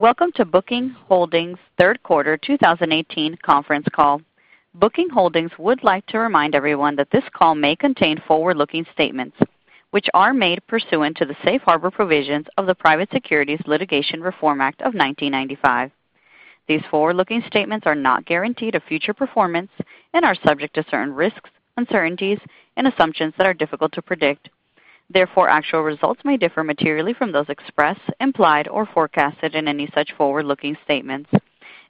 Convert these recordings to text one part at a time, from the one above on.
Welcome to Booking Holdings' third quarter 2018 conference call. Booking Holdings would like to remind everyone that this call may contain forward-looking statements which are made pursuant to the Safe Harbor provisions of the Private Securities Litigation Reform Act of 1995. These forward-looking statements are not guarantees of future performance and are subject to certain risks, uncertainties, and assumptions that are difficult to predict. Therefore, actual results may differ materially from those expressed, implied, or forecasted in any such forward-looking statements.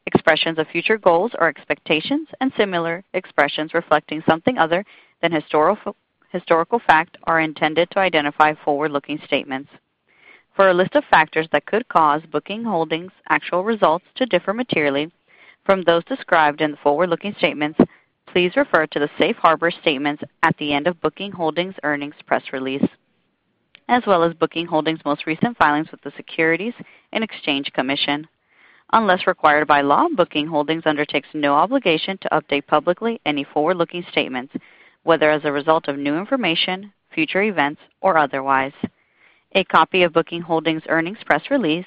Expressions of future goals or expectations, and similar expressions reflecting something other than historical fact, are intended to identify forward-looking statements. For a list of factors that could cause Booking Holdings' actual results to differ materially from those described in the forward-looking statements, please refer to the Safe Harbor statements at the end of Booking Holdings' earnings press release, as well as Booking Holdings' most recent filings with the Securities and Exchange Commission. Unless required by law, Booking Holdings undertakes no obligation to update publicly any forward-looking statements, whether as a result of new information, future events, or otherwise. A copy of Booking Holdings' earnings press release,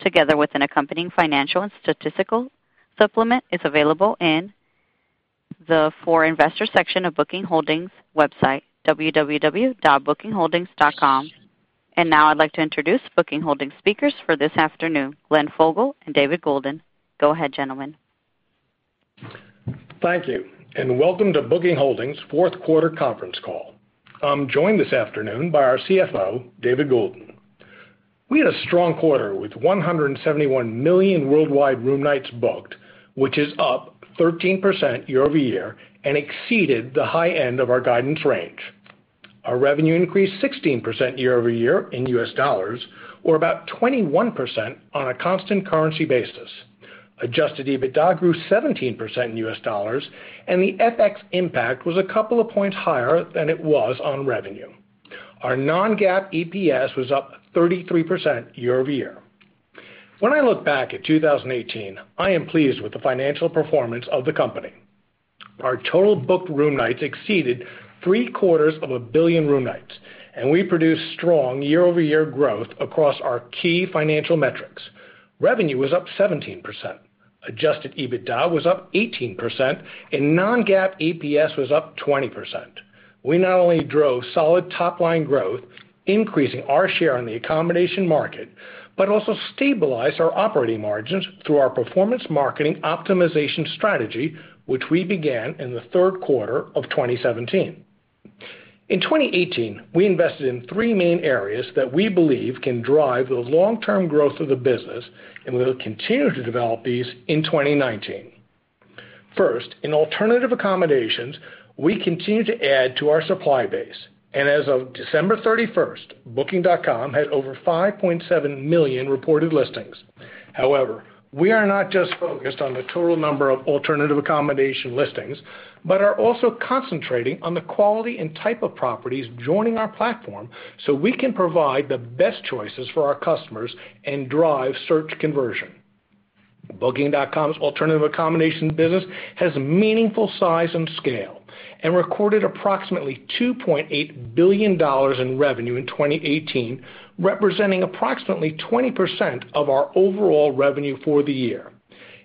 together with an accompanying financial and statistical supplement, is available in the For Investors section of Booking Holdings' website, www.bookingholdings.com. I'd like to introduce Booking Holdings' speakers for this afternoon, Glenn Fogel and David Goulden. Go ahead, gentlemen. Thank you, and welcome to Booking Holdings' fourth quarter conference call. I'm joined this afternoon by our CFO, David Goulden. We had a strong quarter with 171 million worldwide room nights booked, which is up 13% year-over-year and exceeded the high end of our guidance range. Our revenue increased 16% year-over-year in USD, or about 21% on a constant currency basis. Adjusted EBITDA grew 17% in USD, and the FX impact was a couple of points higher than it was on revenue. Our non-GAAP EPS was up 33% year-over-year. When I look back at 2018, I am pleased with the financial performance of the company. Our total booked room nights exceeded three-quarters of a billion room nights, and we produced strong year-over-year growth across our key financial metrics. Revenue was up 17%, Adjusted EBITDA was up 18%, and non-GAAP EPS was up 20%. We not only drove solid top-line growth, increasing our share in the accommodation market, but also stabilized our operating margins through our performance marketing optimization strategy, which we began in the third quarter of 2017. In 2018, we invested in three main areas that we believe can drive the long-term growth of the business, and we will continue to develop these in 2019. First, in alternative accommodations, we continue to add to our supply base, and as of December 31st, Booking.com had over 5.7 million reported listings. However, we are not just focused on the total number of alternative accommodation listings, but are also concentrating on the quality and type of properties joining our platform so we can provide the best choices for our customers and drive search conversion. Booking.com's alternative accommodations business has meaningful size and scale, and recorded approximately $2.8 billion in revenue in 2018, representing approximately 20% of our overall revenue for the year.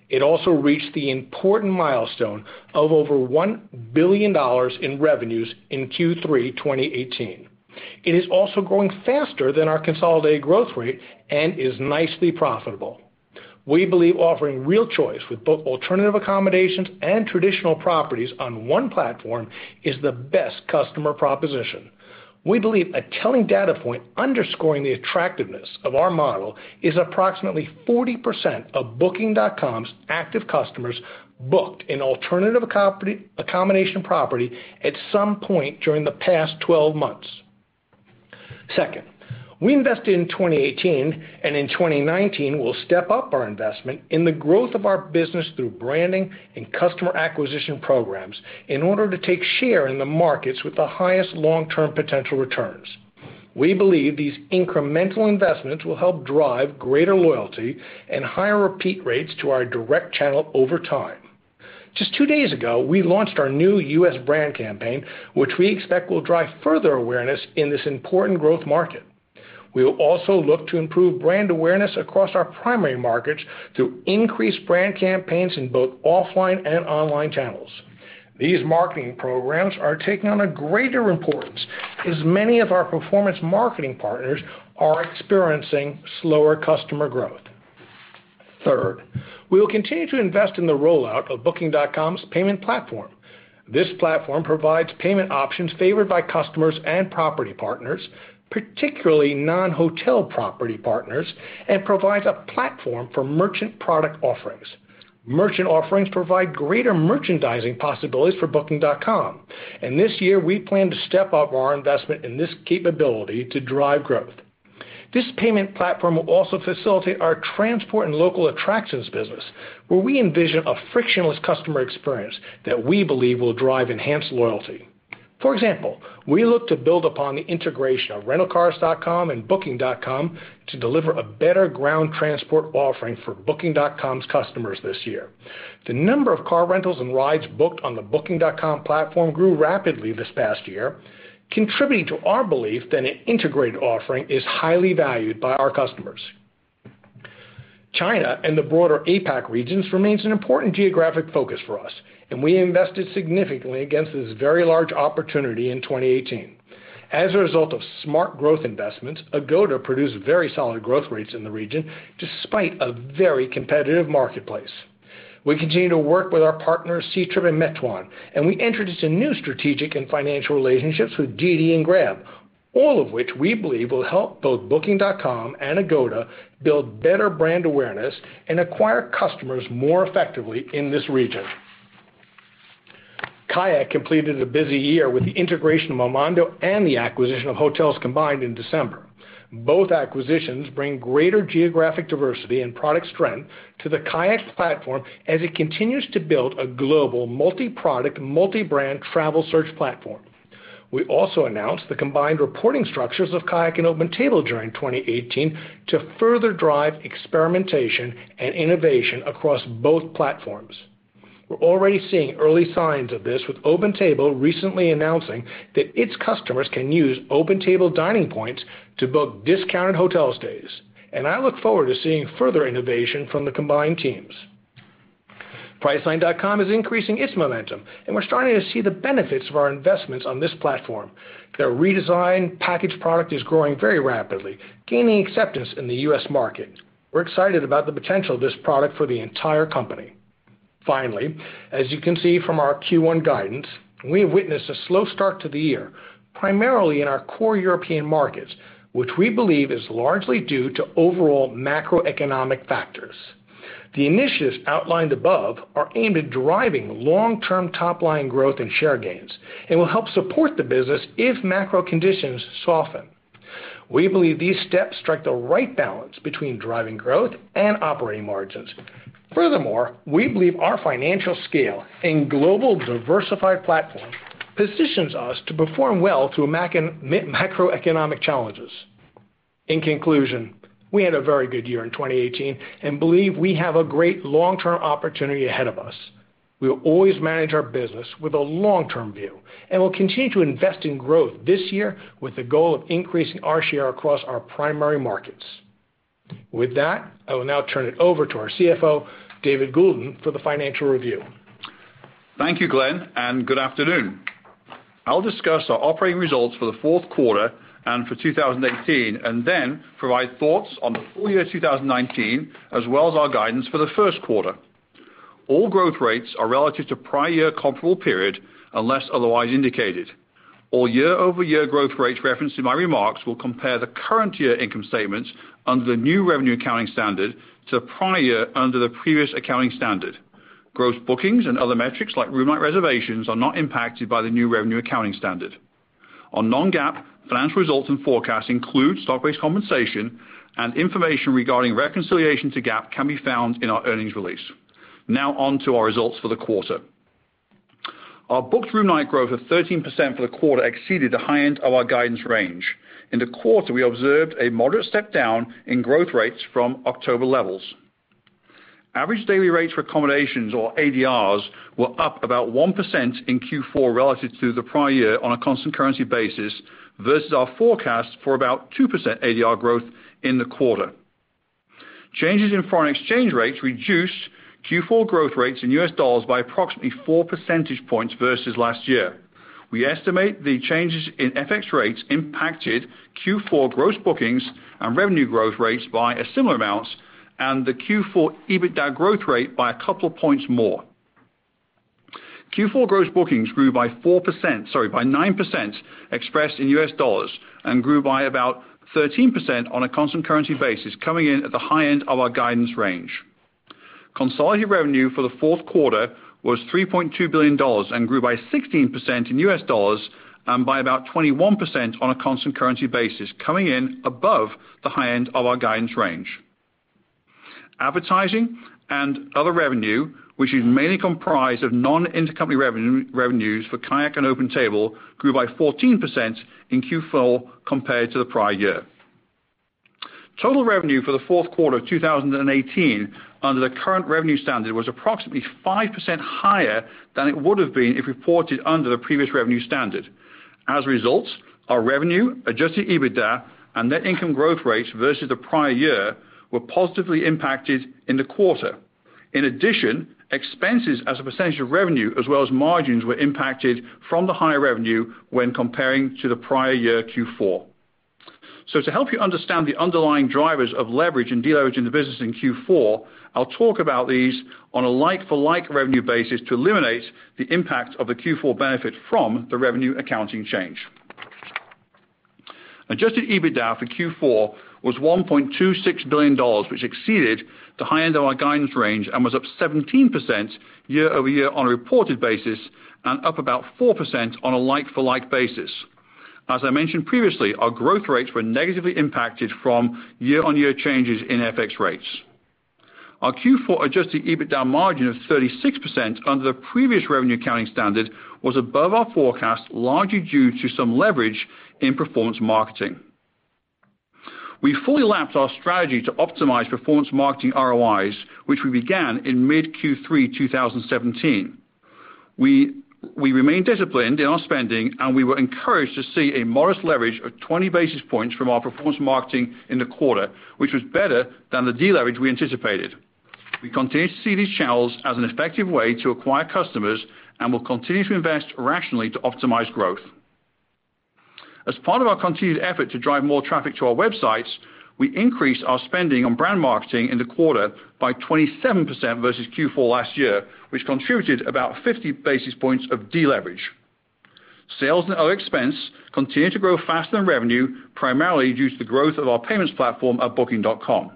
It also reached the important milestone of over $1 billion in revenues in Q3 2018. It is also growing faster than our consolidated growth rate and is nicely profitable. We believe offering real choice with both alternative accommodations and traditional properties on one platform is the best customer proposition. We believe a telling data point underscoring the attractiveness of our model is approximately 40% of Booking.com's active customers booked an alternative accommodation property at some point during the past 12 months. Second, we invested in 2018, and in 2019, we'll step up our investment in the growth of our business through branding and customer acquisition programs in order to take share in the markets with the highest long-term potential returns. We believe these incremental investments will help drive greater loyalty and higher repeat rates to our direct channel over time. Just two days ago, we launched our new U.S. brand campaign, which we expect will drive further awareness in this important growth market. We will also look to improve brand awareness across our primary markets through increased brand campaigns in both offline and online channels. These marketing programs are taking on a greater importance as many of our performance marketing partners are experiencing slower customer growth. Third, we will continue to invest in the rollout of Booking.com's payment platform. This platform provides payment options favored by customers and property partners, particularly non-hotel property partners, and provides a platform for merchant product offerings. Merchant offerings provide greater merchandising possibilities for Booking.com, and this year we plan to step up our investment in this capability to drive growth. This payment platform will also facilitate our transport and local attractions business, where we envision a frictionless customer experience that we believe will drive enhanced loyalty. For example, we look to build upon the integration of Rentalcars.com and Booking.com to deliver a better ground transport offering for Booking.com's customers this year. The number of car rentals and rides booked on the Booking.com platform grew rapidly this past year, contributing to our belief that an integrated offering is highly valued by our customers. China and the broader APAC regions remains an important geographic focus for us, and we invested significantly against this very large opportunity in 2018. As a result of smart growth investments, Agoda produced very solid growth rates in the region, despite a very competitive marketplace. We continue to work with our partners, Ctrip and Meituan, and we introduced a new strategic and financial relationships with Didi and Grab, all of which we believe will help both Booking.com and Agoda build better brand awareness and acquire customers more effectively in this region. KAYAK completed a busy year with the integration of Momondo and the acquisition of HotelsCombined in December. Both acquisitions bring greater geographic diversity and product strength to the KAYAK platform as it continues to build a global multi-product, multi-brand travel search platform. We also announced the combined reporting structures of KAYAK and OpenTable during 2018 to further drive experimentation and innovation across both platforms. We're already seeing early signs of this, with OpenTable recently announcing that its customers can use OpenTable dining points to book discounted hotel stays, and I look forward to seeing further innovation from the combined teams. Priceline.com is increasing its momentum, and we're starting to see the benefits of our investments on this platform. Their redesigned package product is growing very rapidly, gaining acceptance in the U.S. market. We're excited about the potential of this product for the entire company. Finally, as you can see from our Q1 guidance, we have witnessed a slow start to the year, primarily in our core European markets, which we believe is largely due to overall macroeconomic factors. The initiatives outlined above are aimed at driving long-term top-line growth and share gains and will help support the business if macro conditions soften. We believe these steps strike the right balance between driving growth and operating margins. Furthermore, we believe our financial scale and global diversified platform positions us to perform well through macroeconomic challenges. In conclusion, we had a very good year in 2018 and believe we have a great long-term opportunity ahead of us. We will always manage our business with a long-term view and will continue to invest in growth this year with the goal of increasing our share across our primary markets. With that, I will now turn it over to our CFO, David Goulden, for the financial review. Thank you, Glenn, and good afternoon. I'll discuss our operating results for the fourth quarter and for 2018 and then provide thoughts on the full year 2019, as well as our guidance for the first quarter. All growth rates are relative to prior year comparable period, unless otherwise indicated. All year-over-year growth rates referenced to my remarks will compare the current year income statements under the new revenue accounting standard to prior under the previous accounting standard. Gross bookings and other metrics like room night reservations are not impacted by the new revenue accounting standard. On non-GAAP, financial results and forecasts include stock-based compensation and information regarding reconciliation to GAAP can be found in our earnings release. Now on to our results for the quarter. Our booked room night growth of 13% for the quarter exceeded the high end of our guidance range. In the quarter, we observed a moderate step down in growth rates from October levels. Average daily rates for accommodations or ADRs were up about 1% in Q4 relative to the prior year on a constant currency basis versus our forecast for about 2% ADR growth in the quarter. Changes in foreign exchange rates reduced Q4 growth rates in U.S. dollars by approximately 4 percentage points versus last year. We estimate the changes in FX rates impacted Q4 gross bookings and revenue growth rates by a similar amount, and the Q4 EBITDA growth rate by a couple of points more. Q4 gross bookings grew by 9% expressed in U.S. dollars and grew by about 13% on a constant currency basis, coming in at the high end of our guidance range. Consolidated revenue for the fourth quarter was $3.2 billion and grew by 16% in US dollars and by about 21% on a constant currency basis, coming in above the high end of our guidance range. Advertising and other revenue, which is mainly comprised of non-intercompany revenues for KAYAK and OpenTable, grew by 14% in Q4 compared to the prior year. Total revenue for the fourth quarter of 2018 under the current revenue standard was approximately 5% higher than it would have been if reported under the previous revenue standard. As a result, our revenue, adjusted EBITDA, and net income growth rates versus the prior year were positively impacted in the quarter. In addition, expenses as a percentage of revenue, as well as margins were impacted from the higher revenue when comparing to the prior year Q4. To help you understand the underlying drivers of leverage and deleverage in the business in Q4, I'll talk about these on a like-for-like revenue basis to eliminate the impact of the Q4 benefit from the revenue accounting change. Adjusted EBITDA for Q4 was $1.26 billion, which exceeded the high end of our guidance range and was up 17% year-over-year on a reported basis and up about 4% on a like-for-like basis. As I mentioned previously, our growth rates were negatively impacted from year-on-year changes in FX rates. Our Q4 adjusted EBITDA margin of 36% under the previous revenue accounting standard was above our forecast, largely due to some leverage in performance marketing. We fully lapsed our strategy to optimize performance marketing ROIs, which we began in mid Q3 2017. We remain disciplined in our spending, and we were encouraged to see a modest leverage of 20 basis points from our performance marketing in the quarter, which was better than the deleverage we anticipated. We continue to see these channels as an effective way to acquire customers and will continue to invest rationally to optimize growth. As part of our continued effort to drive more traffic to our websites, we increased our spending on brand marketing in the quarter by 27% versus Q4 last year, which contributed about 50 basis points of deleverage. Sales and other expense continue to grow faster than revenue, primarily due to the growth of our payments platform at Booking.com.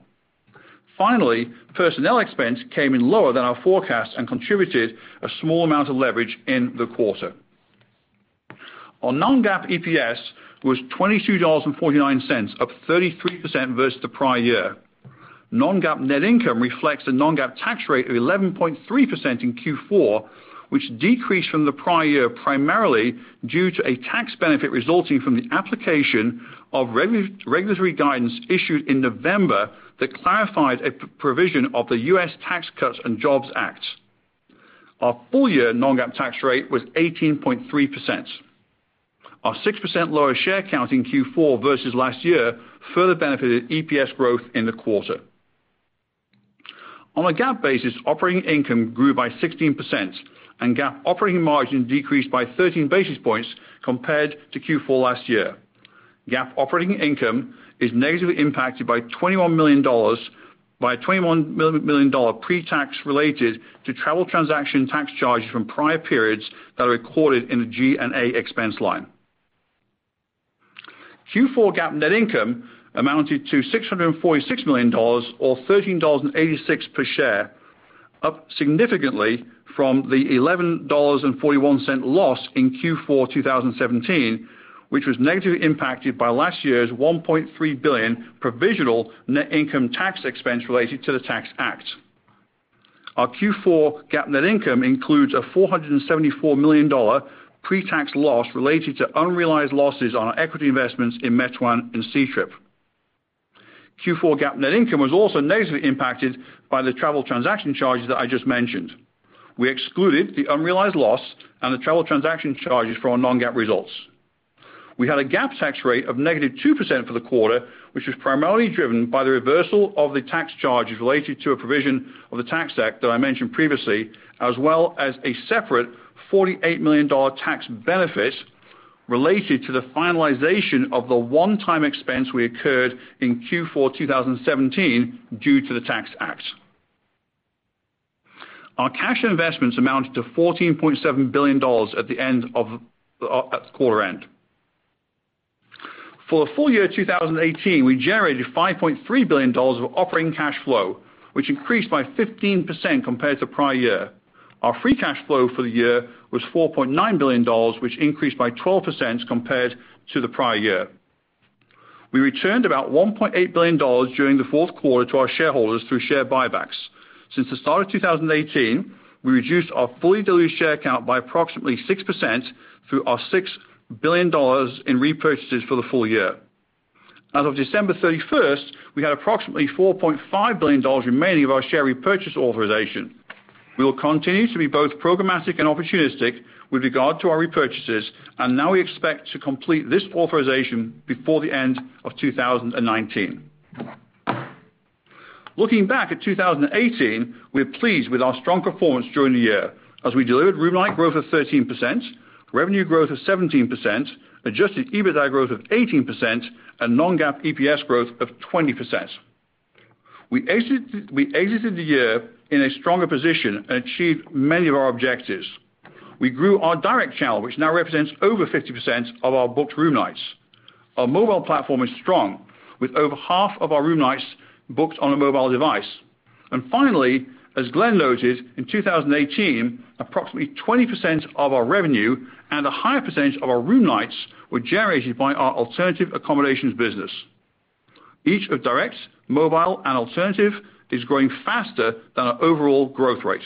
Finally, personnel expense came in lower than our forecast and contributed a small amount of leverage in the quarter. Our non-GAAP EPS was $22.49, up 33% versus the prior year. Non-GAAP net income reflects a non-GAAP tax rate of 11.3% in Q4, which decreased from the prior year, primarily due to a tax benefit resulting from the application of regulatory guidance issued in November that clarified a provision of the U.S. Tax Cuts and Jobs Act. Our full-year non-GAAP tax rate was 18.3%. Our 6% lower share count in Q4 versus last year further benefited EPS growth in the quarter. On a GAAP basis, operating income grew by 16% and GAAP operating margin decreased by 13 basis points compared to Q4 last year. GAAP operating income is negatively impacted by a $21 million pre-tax related to travel transaction tax charges from prior periods that are recorded in the G&A expense line. Q4 GAAP net income amounted to $646 million or $13.86 per share, up significantly from the $11.41 loss in Q4 2017, which was negatively impacted by last year's $1.3 billion provisional net income tax expense related to the Tax Act. Our Q4 GAAP net income includes a $474 million pre-tax loss related to unrealized losses on our equity investments in Meituan and Ctrip. Q4 GAAP net income was also negatively impacted by the travel transaction charges that I just mentioned. We excluded the unrealized loss and the travel transaction charges from our non-GAAP results. We had a GAAP tax rate of negative 2% for the quarter, which was primarily driven by the reversal of the tax charges related to a provision of the Tax Act that I mentioned previously, as well as a separate $48 million tax benefit related to the finalization of the one-time expense we occurred in Q4 2017 due to the Tax Act. Our cash investments amounted to $14.7 billion at quarter-end. For the full year 2018, we generated $5.3 billion of operating cash flow, which increased by 15% compared to prior year. Our free cash flow for the year was $4.9 billion, which increased by 12% compared to the prior year. We returned about $1.8 billion during the fourth quarter to our shareholders through share buybacks. Since the start of 2018, we reduced our fully diluted share count by approximately 6% through our $6 billion in repurchases for the full year. As of December 31st, we had approximately $4.5 billion remaining of our share repurchase authorization. Now we expect to complete this authorization before the end of 2019. Looking back at 2018, we are pleased with our strong performance during the year as we delivered room night growth of 13%, revenue growth of 17%, adjusted EBITDA growth of 18%, and non-GAAP EPS growth of 20%. We exited the year in a stronger position and achieved many of our objectives. We grew our direct channel, which now represents over 50% of our booked room nights. Our mobile platform is strong with over half of our room nights booked on a mobile device. Finally, as Glenn noted, in 2018, approximately 20% of our revenue and a higher percentage of our room nights were generated by our alternative accommodations business. Each of direct, mobile, and alternative is growing faster than our overall growth rate.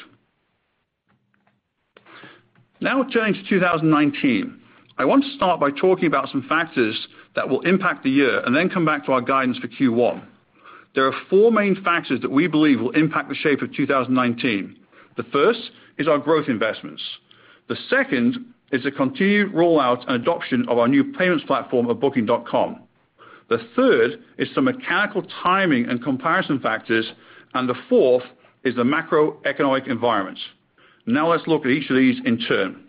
Now turning to 2019. I want to start by talking about some factors that will impact the year and then come back to our guidance for Q1. There are four main factors that we believe will impact the shape of 2019. The first is our growth investments. The second is the continued rollout and adoption of our new payments platform at booking.com. The third is some mechanical timing and comparison factors, and the fourth is the macroeconomic environment. Now let's look at each of these in turn.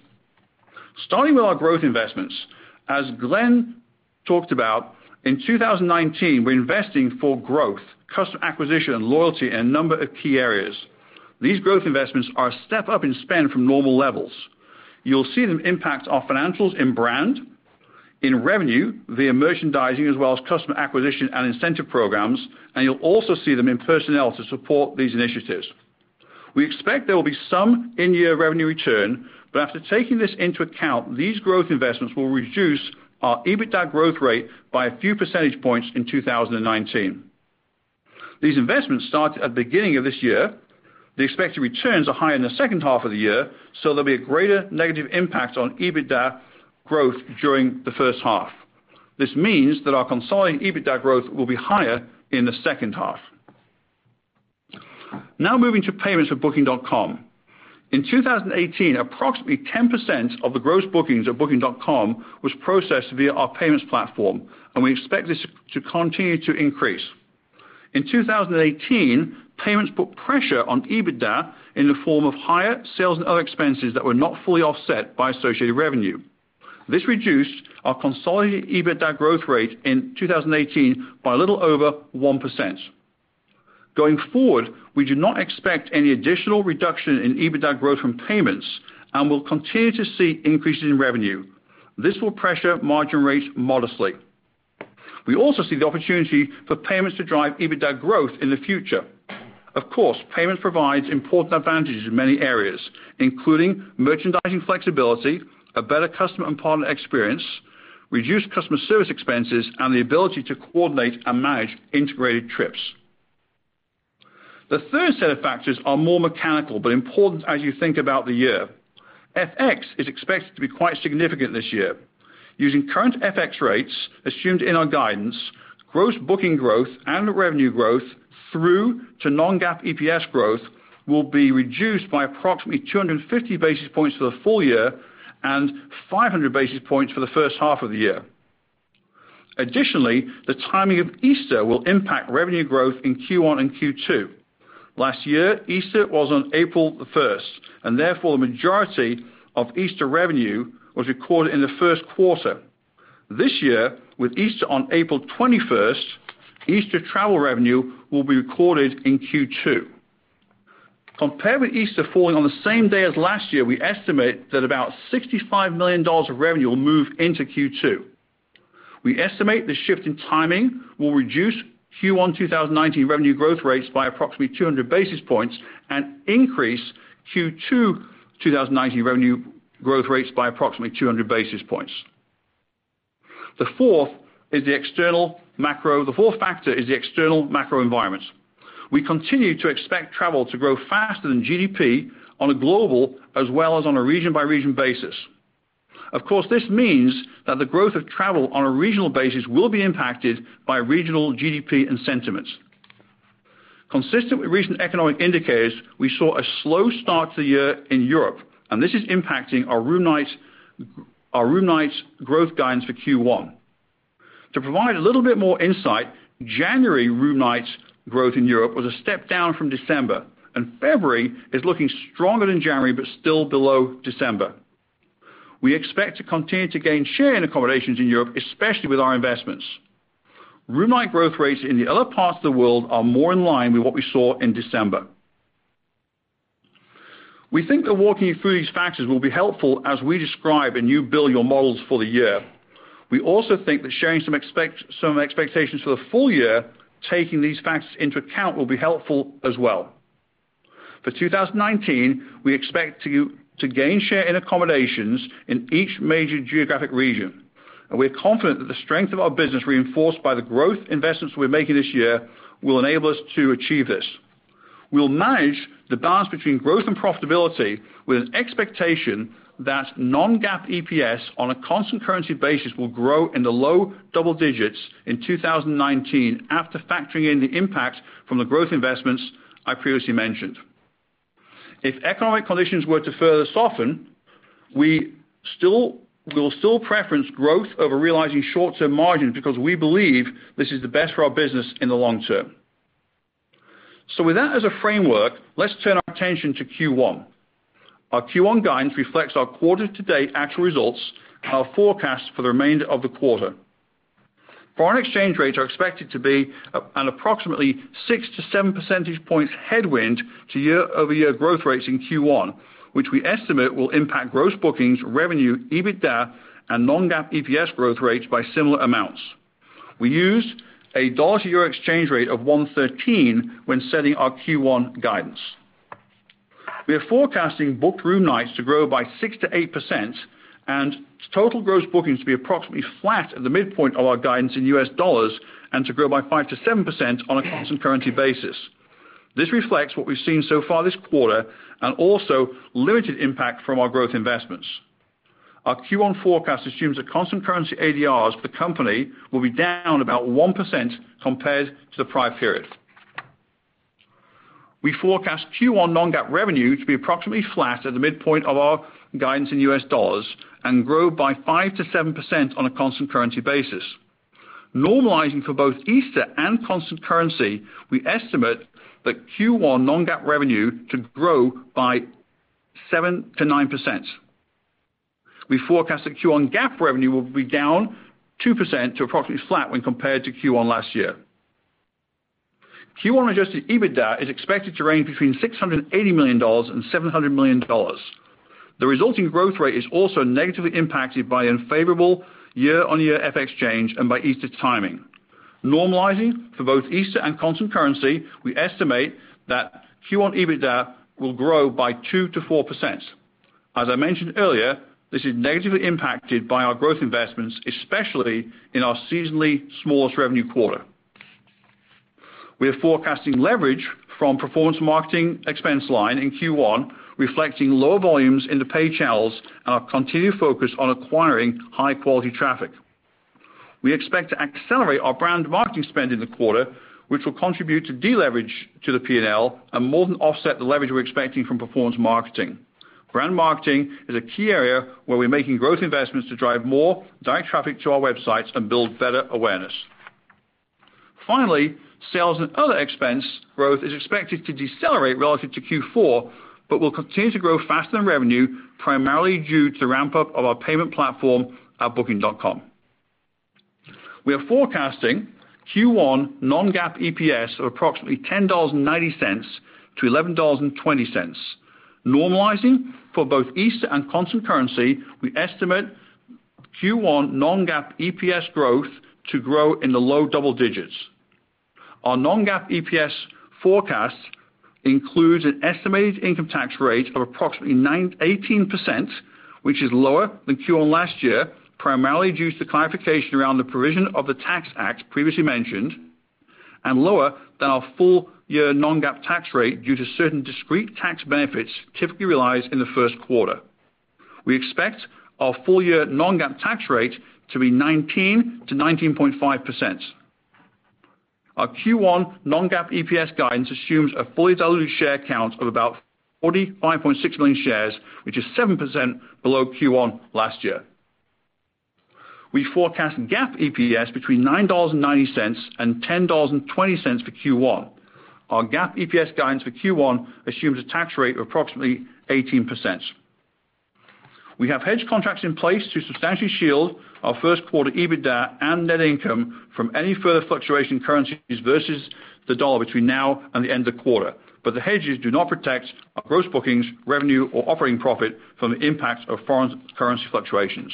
Starting with our growth investments, as Glenn talked about, in 2019, we're investing for growth, customer acquisition, and loyalty in a number of key areas. These growth investments are a step up in spend from normal levels. You'll see them impact our financials in brand, in revenue via merchandising as well as customer acquisition and incentive programs, and you'll also see them in personnel to support these initiatives. We expect there will be some in-year revenue return, but after taking this into account, these growth investments will reduce our EBITDA growth rate by a few percentage points in 2019. These investments start at the beginning of this year. The expected returns are high in the second half of the year, so there'll be a greater negative impact on EBITDA growth during the first half. This means that our consolidated EBITDA growth will be higher in the second half. Moving to payments for Booking.com. In 2018, approximately 10% of the gross bookings at Booking.com was processed via our payments platform, and we expect this to continue to increase. In 2018, payments put pressure on EBITDA in the form of higher sales and other expenses that were not fully offset by associated revenue. This reduced our consolidated EBITDA growth rate in 2018 by a little over 1%. Going forward, we do not expect any additional reduction in EBITDA growth from payments and will continue to see increases in revenue. This will pressure margin rates modestly. We also see the opportunity for payments to drive EBITDA growth in the future. Of course, payments provides important advantages in many areas, including merchandising flexibility, a better customer and partner experience, reduced customer service expenses, and the ability to coordinate and manage integrated trips. The third set of factors are more mechanical, but important as you think about the year. FX is expected to be quite significant this year. Using current FX rates assumed in our guidance, gross booking growth and revenue growth through to non-GAAP EPS growth will be reduced by approximately 250 basis points for the full year and 500 basis points for the first half of the year. Additionally, the timing of Easter will impact revenue growth in Q1 and Q2. Last year, Easter was on April the 1st, and therefore, the majority of Easter revenue was recorded in the first quarter. This year, with Easter on April 21st, Easter travel revenue will be recorded in Q2. Compared with Easter falling on the same day as last year, we estimate that about $65 million of revenue will move into Q2. We estimate the shift in timing will reduce Q1 2019 revenue growth rates by approximately 200 basis points and increase Q2 2019 revenue growth rates by approximately 200 basis points. The fourth factor is the external macro environment. We continue to expect travel to grow faster than GDP on a global as well as on a region-by-region basis. Of course, this means that the growth of travel on a regional basis will be impacted by regional GDP and sentiments. Consistent with recent economic indicators, we saw a slow start to the year in Europe, and this is impacting our room nights growth guidance for Q1. To provide a little bit more insight, January room nights growth in Europe was a step down from December, and February is looking stronger than January, but still below December. We expect to continue to gain share in accommodations in Europe, especially with our investments. Room night growth rates in the other parts of the world are more in line with what we saw in December. We think that walking you through these factors will be helpful as we describe and you build your models for the year. We also think that sharing some expectations for the full year, taking these factors into account, will be helpful as well. For 2019, we expect to gain share in accommodations in each major geographic region, and we're confident that the strength of our business, reinforced by the growth investments we're making this year, will enable us to achieve this. We'll manage the balance between growth and profitability with an expectation that non-GAAP EPS on a constant currency basis will grow in the low double digits in 2019 after factoring in the impact from the growth investments I previously mentioned. If economic conditions were to further soften, we'll still preference growth over realizing short-term margin because we believe this is the best for our business in the long term. With that as a framework, let's turn our attention to Q1. Our Q1 guidance reflects our quarter to date actual results and our forecast for the remainder of the quarter. Foreign exchange rates are expected to be an approximately 6 to 7 percentage points headwind to year-over-year growth rates in Q1, which we estimate will impact gross bookings, revenue, EBITDA, and non-GAAP EPS growth rates by similar amounts. We used a USD to EUR exchange rate of 113 when setting our Q1 guidance. We are forecasting booked room nights to grow by 6%-8% and total gross bookings to be approximately flat at the midpoint of our guidance in USD and to grow by 5%-7% on a constant currency basis. This reflects what we've seen so far this quarter and also limited impact from our growth investments. Our Q1 forecast assumes that constant currency ADRs for the company will be down about 1% compared to the prior period. We forecast Q1 non-GAAP revenue to be approximately flat at the midpoint of our guidance in USD and grow by 5%-7% on a constant currency basis. Normalizing for both Easter and constant currency, we estimate that Q1 non-GAAP revenue to grow by 7%-9%. We forecast that Q1 GAAP revenue will be down 2% to approximately flat when compared to Q1 last year. Q1 adjusted EBITDA is expected to range between $680 million and $700 million. The resulting growth rate is also negatively impacted by unfavorable year-on-year FX change and by Easter timing. Normalizing for both Easter and constant currency, we estimate that Q1 EBITDA will grow by 2%-4%. As I mentioned earlier, this is negatively impacted by our growth investments, especially in our seasonally smallest revenue quarter. We are forecasting leverage from performance marketing expense line in Q1, reflecting lower volumes in the paid channels and our continued focus on acquiring high-quality traffic. We expect to accelerate our brand marketing spend in the quarter, which will contribute to deleverage to the P&L and more than offset the leverage we're expecting from performance marketing. Brand marketing is a key area where we're making growth investments to drive more direct traffic to our websites and build better awareness. Sales and other expense growth is expected to decelerate relative to Q4, but will continue to grow faster than revenue, primarily due to the ramp-up of our payment platform at Booking.com. We are forecasting Q1 non-GAAP EPS of approximately $10.90 to $11.20. Normalizing for both Easter and constant currency, we estimate Q1 non-GAAP EPS growth to grow in the low double digits. Our non-GAAP EPS forecast includes an estimated income tax rate of approximately 18%, which is lower than Q1 last year, primarily due to clarification around the provision of the Tax Act previously mentioned, and lower than our full-year non-GAAP tax rate due to certain discrete tax benefits typically realized in the first quarter. We expect our full-year non-GAAP tax rate to be 19%-19.5%. Our Q1 non-GAAP EPS guidance assumes a fully diluted share count of about 45.6 million shares, which is 7% below Q1 last year. We forecast GAAP EPS between $9.90 and $10.20 for Q1. Our GAAP EPS guidance for Q1 assumes a tax rate of approximately 18%. We have hedge contracts in place to substantially shield our first quarter EBITDA and net income from any further fluctuation in currencies versus the dollar between now and the end of the quarter. The hedges do not protect our gross bookings, revenue, or operating profit from the impact of foreign currency fluctuations.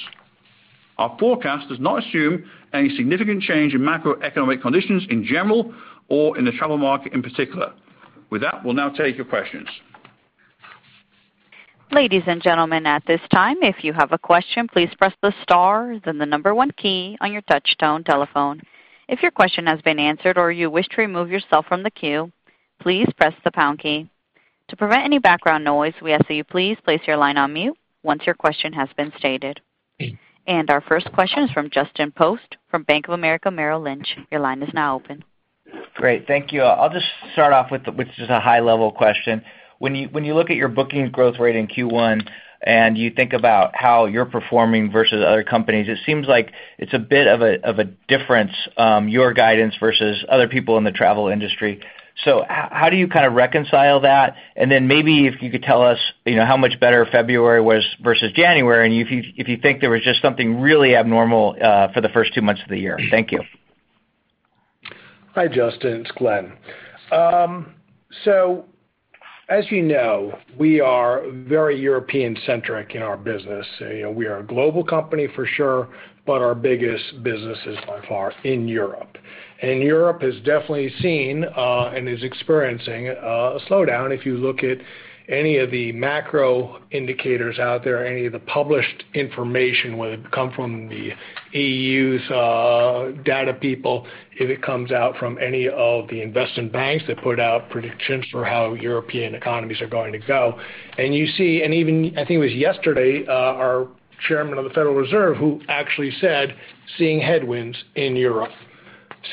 Our forecast does not assume any significant change in macroeconomic conditions in general or in the travel market in particular. With that, we'll now take your questions. Ladies and gentlemen, at this time, if you have a question, please press the star, then the number 1 key on your touchtone telephone. If your question has been answered or you wish to remove yourself from the queue, please press the pound key. To prevent any background noise, we ask that you please place your line on mute once your question has been stated. Our first question is from Justin Post from Bank of America Merrill Lynch. Your line is now open. Great. Thank you. I'll just start off with just a high-level question. When you look at your bookings growth rate in Q1 and you think about how you're performing versus other companies, it seems like it's a bit of a difference, your guidance versus other people in the travel industry. How do you kind of reconcile that? Then maybe if you could tell us how much better February was versus January, and if you think there was just something really abnormal for the first two months of the year. Thank you. Hi, Justin. It's Glenn. As you know, we are very European-centric in our business. We are a global company for sure, but our biggest business is by far in Europe. Europe has definitely seen and is experiencing a slowdown if you look at any of the macro indicators out there, any of the published information, whether it come from the EU's data people, if it comes out from any of the investment banks that put out predictions for how European economies are going to go. I think it was yesterday, our chairman of the Federal Reserve who actually said seeing headwinds in Europe.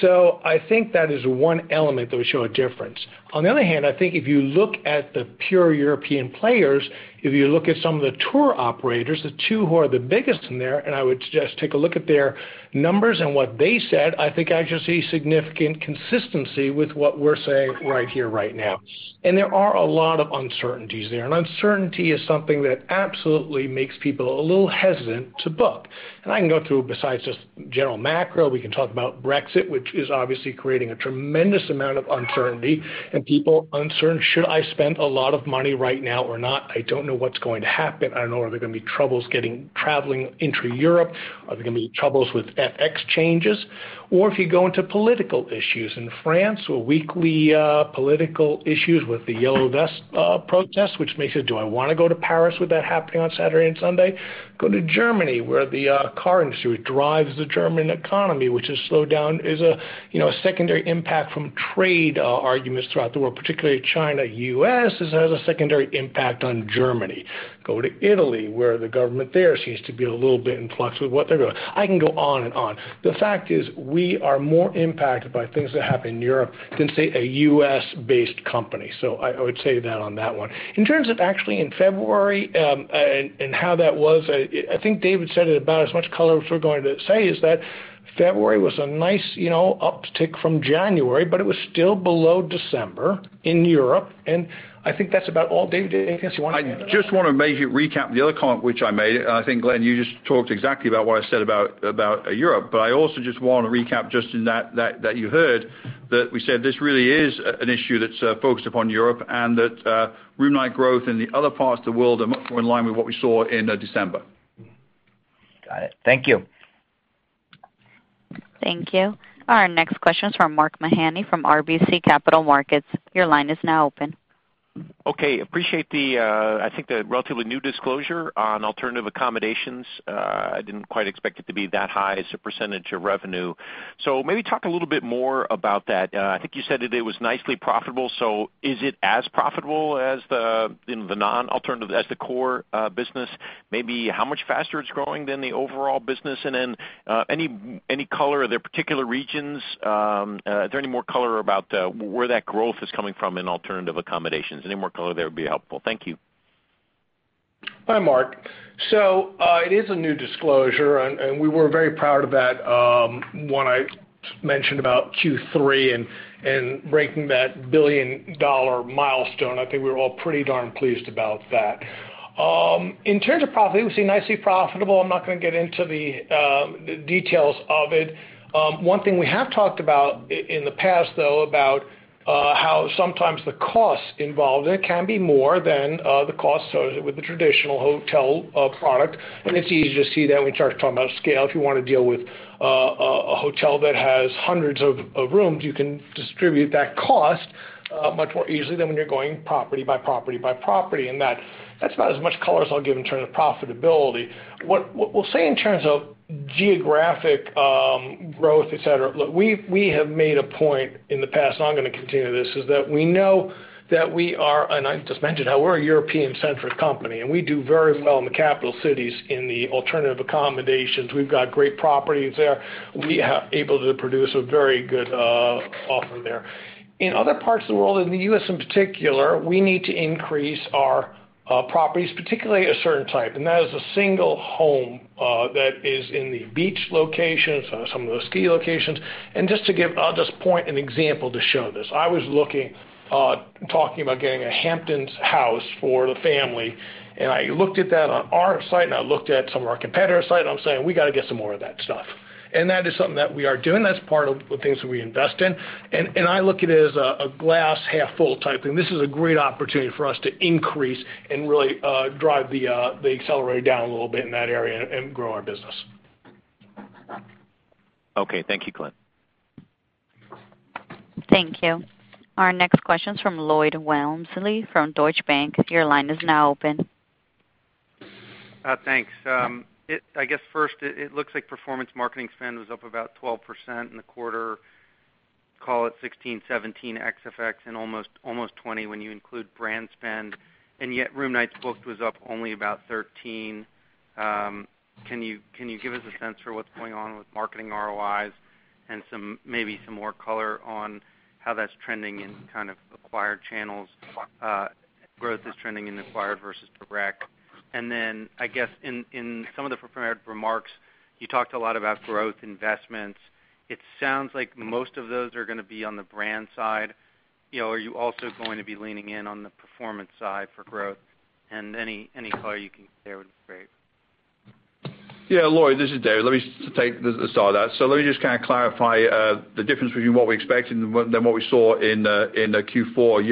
I think that is one element that would show a difference. On the other hand, I think if you look at the pure European players, if you look at some of the tour operators, the two who are the biggest in there, and I would suggest take a look at their numbers and what they said, I think I just see significant consistency with what we're saying right here, right now. There are a lot of uncertainties there, and uncertainty is something that absolutely makes people a little hesitant to book. I can go through, besides just general macro, we can talk about Brexit, which is obviously creating a tremendous amount of uncertainty and people uncertain, "Should I spend a lot of money right now or not? I don't know what's going to happen. I don't know, are there going to be troubles getting traveling into Europe? Are there going to be troubles with FX changes?" If you go into political issues in France or weekly political issues with the Yellow Vests protests, which makes you, "Do I want to go to Paris with that happening on Saturday and Sunday?" Go to Germany, where the car industry drives the German economy, which has slowed down, is a secondary impact from trade arguments throughout the world, particularly China-U.S., this has a secondary impact on Germany. Go to Italy, where the government there seems to be a little bit in flux with what they're doing. I can go on and on. The fact is, we are more impacted by things that happen in Europe than, say, a U.S.-based company. I would say that on that one. In terms of actually in February, and how that was, I think David said it about as much color as we're going to say is that February was a nice uptick from January, but it was still below December in Europe, and I think that's about all. Dave, anything else you want to add to that? I just want to maybe recap the other comment which I made, and I think, Glenn, you just talked exactly about what I said about Europe, I also just want to recap, Justin, that you heard, that we said this really is an issue that's focused upon Europe and that room night growth in the other parts of the world are much more in line with what we saw in December. Got it. Thank you. Thank you. Our next question is from Mark Mahaney from RBC Capital Markets. Your line is now open. Appreciate the, I think the relatively new disclosure on alternative accommodations. I didn't quite expect it to be that high as a percentage of revenue. Maybe talk a little bit more about that. I think you said that it was nicely profitable. Is it as profitable as the core business? Maybe how much faster it's growing than the overall business? Then, any color are there particular regions? Is there any more color about where that growth is coming from in alternative accommodations? Any more color there would be helpful. Thank you. Hi, Mark. It is a new disclosure, we were very proud of that when I mentioned about Q3 and breaking that billion-dollar milestone. I think we were all pretty darn pleased about that. In terms of profitability, we see nicely profitable. I'm not going to get into the details of it. One thing we have talked about in the past, though, about how sometimes the cost involved in it can be more than, the cost associated with the traditional hotel product. It's easy to see that when we start talking about scale. If you want to deal with a hotel that has hundreds of rooms, you can distribute that cost much more easily than when you're going property by property by property. That's about as much color as I'll give in terms of profitability. What we'll say in terms of geographic growth, et cetera. Look, we have made a point in the past, I'm going to continue this, is that we know that we are I just mentioned how we're a European-centric company, and we do very well in the capital cities in the alternative accommodations. We've got great properties there. We are able to produce a very good offer there. In other parts of the world, in the U.S. in particular, we need to increase our properties, particularly a certain type, and that is a single home that is in the beach locations or some of those ski locations. Just to point an example to show this, I was talking about getting a Hamptons house for the family, I looked at that on our site, and I looked at some of our competitor site, I'm saying, "We got to get some more of that stuff." That is something that we are doing. That's part of the things that we invest in. I look at it as a glass half full type thing. This is a great opportunity for us to increase and really drive the accelerator down a little bit in that area and grow our business. Okay. Thank you, Glenn. Thank you. Our next question is from Lloyd Walmsley from Deutsche Bank. Your line is now open. Thanks. I guess first it looks like performance marketing spend was up about 12% in the quarter, call it 16, 17x FX, and almost 20 when you include brand spend, and yet room nights booked was up only about 13. Can you give us a sense for what's going on with marketing ROIs and maybe some more color on how that's trending in kind of acquired channels, growth is trending in acquired versus direct? I guess in some of the prepared remarks, you talked a lot about growth investments. It sounds like most of those are going to be on the brand side. Are you also going to be leaning in on the performance side for growth? Any color you can share would be great. Yeah, Lloyd, this is David. Let me take the start of that. Let me just kind of clarify the difference between what we expected than what we saw in the Q4.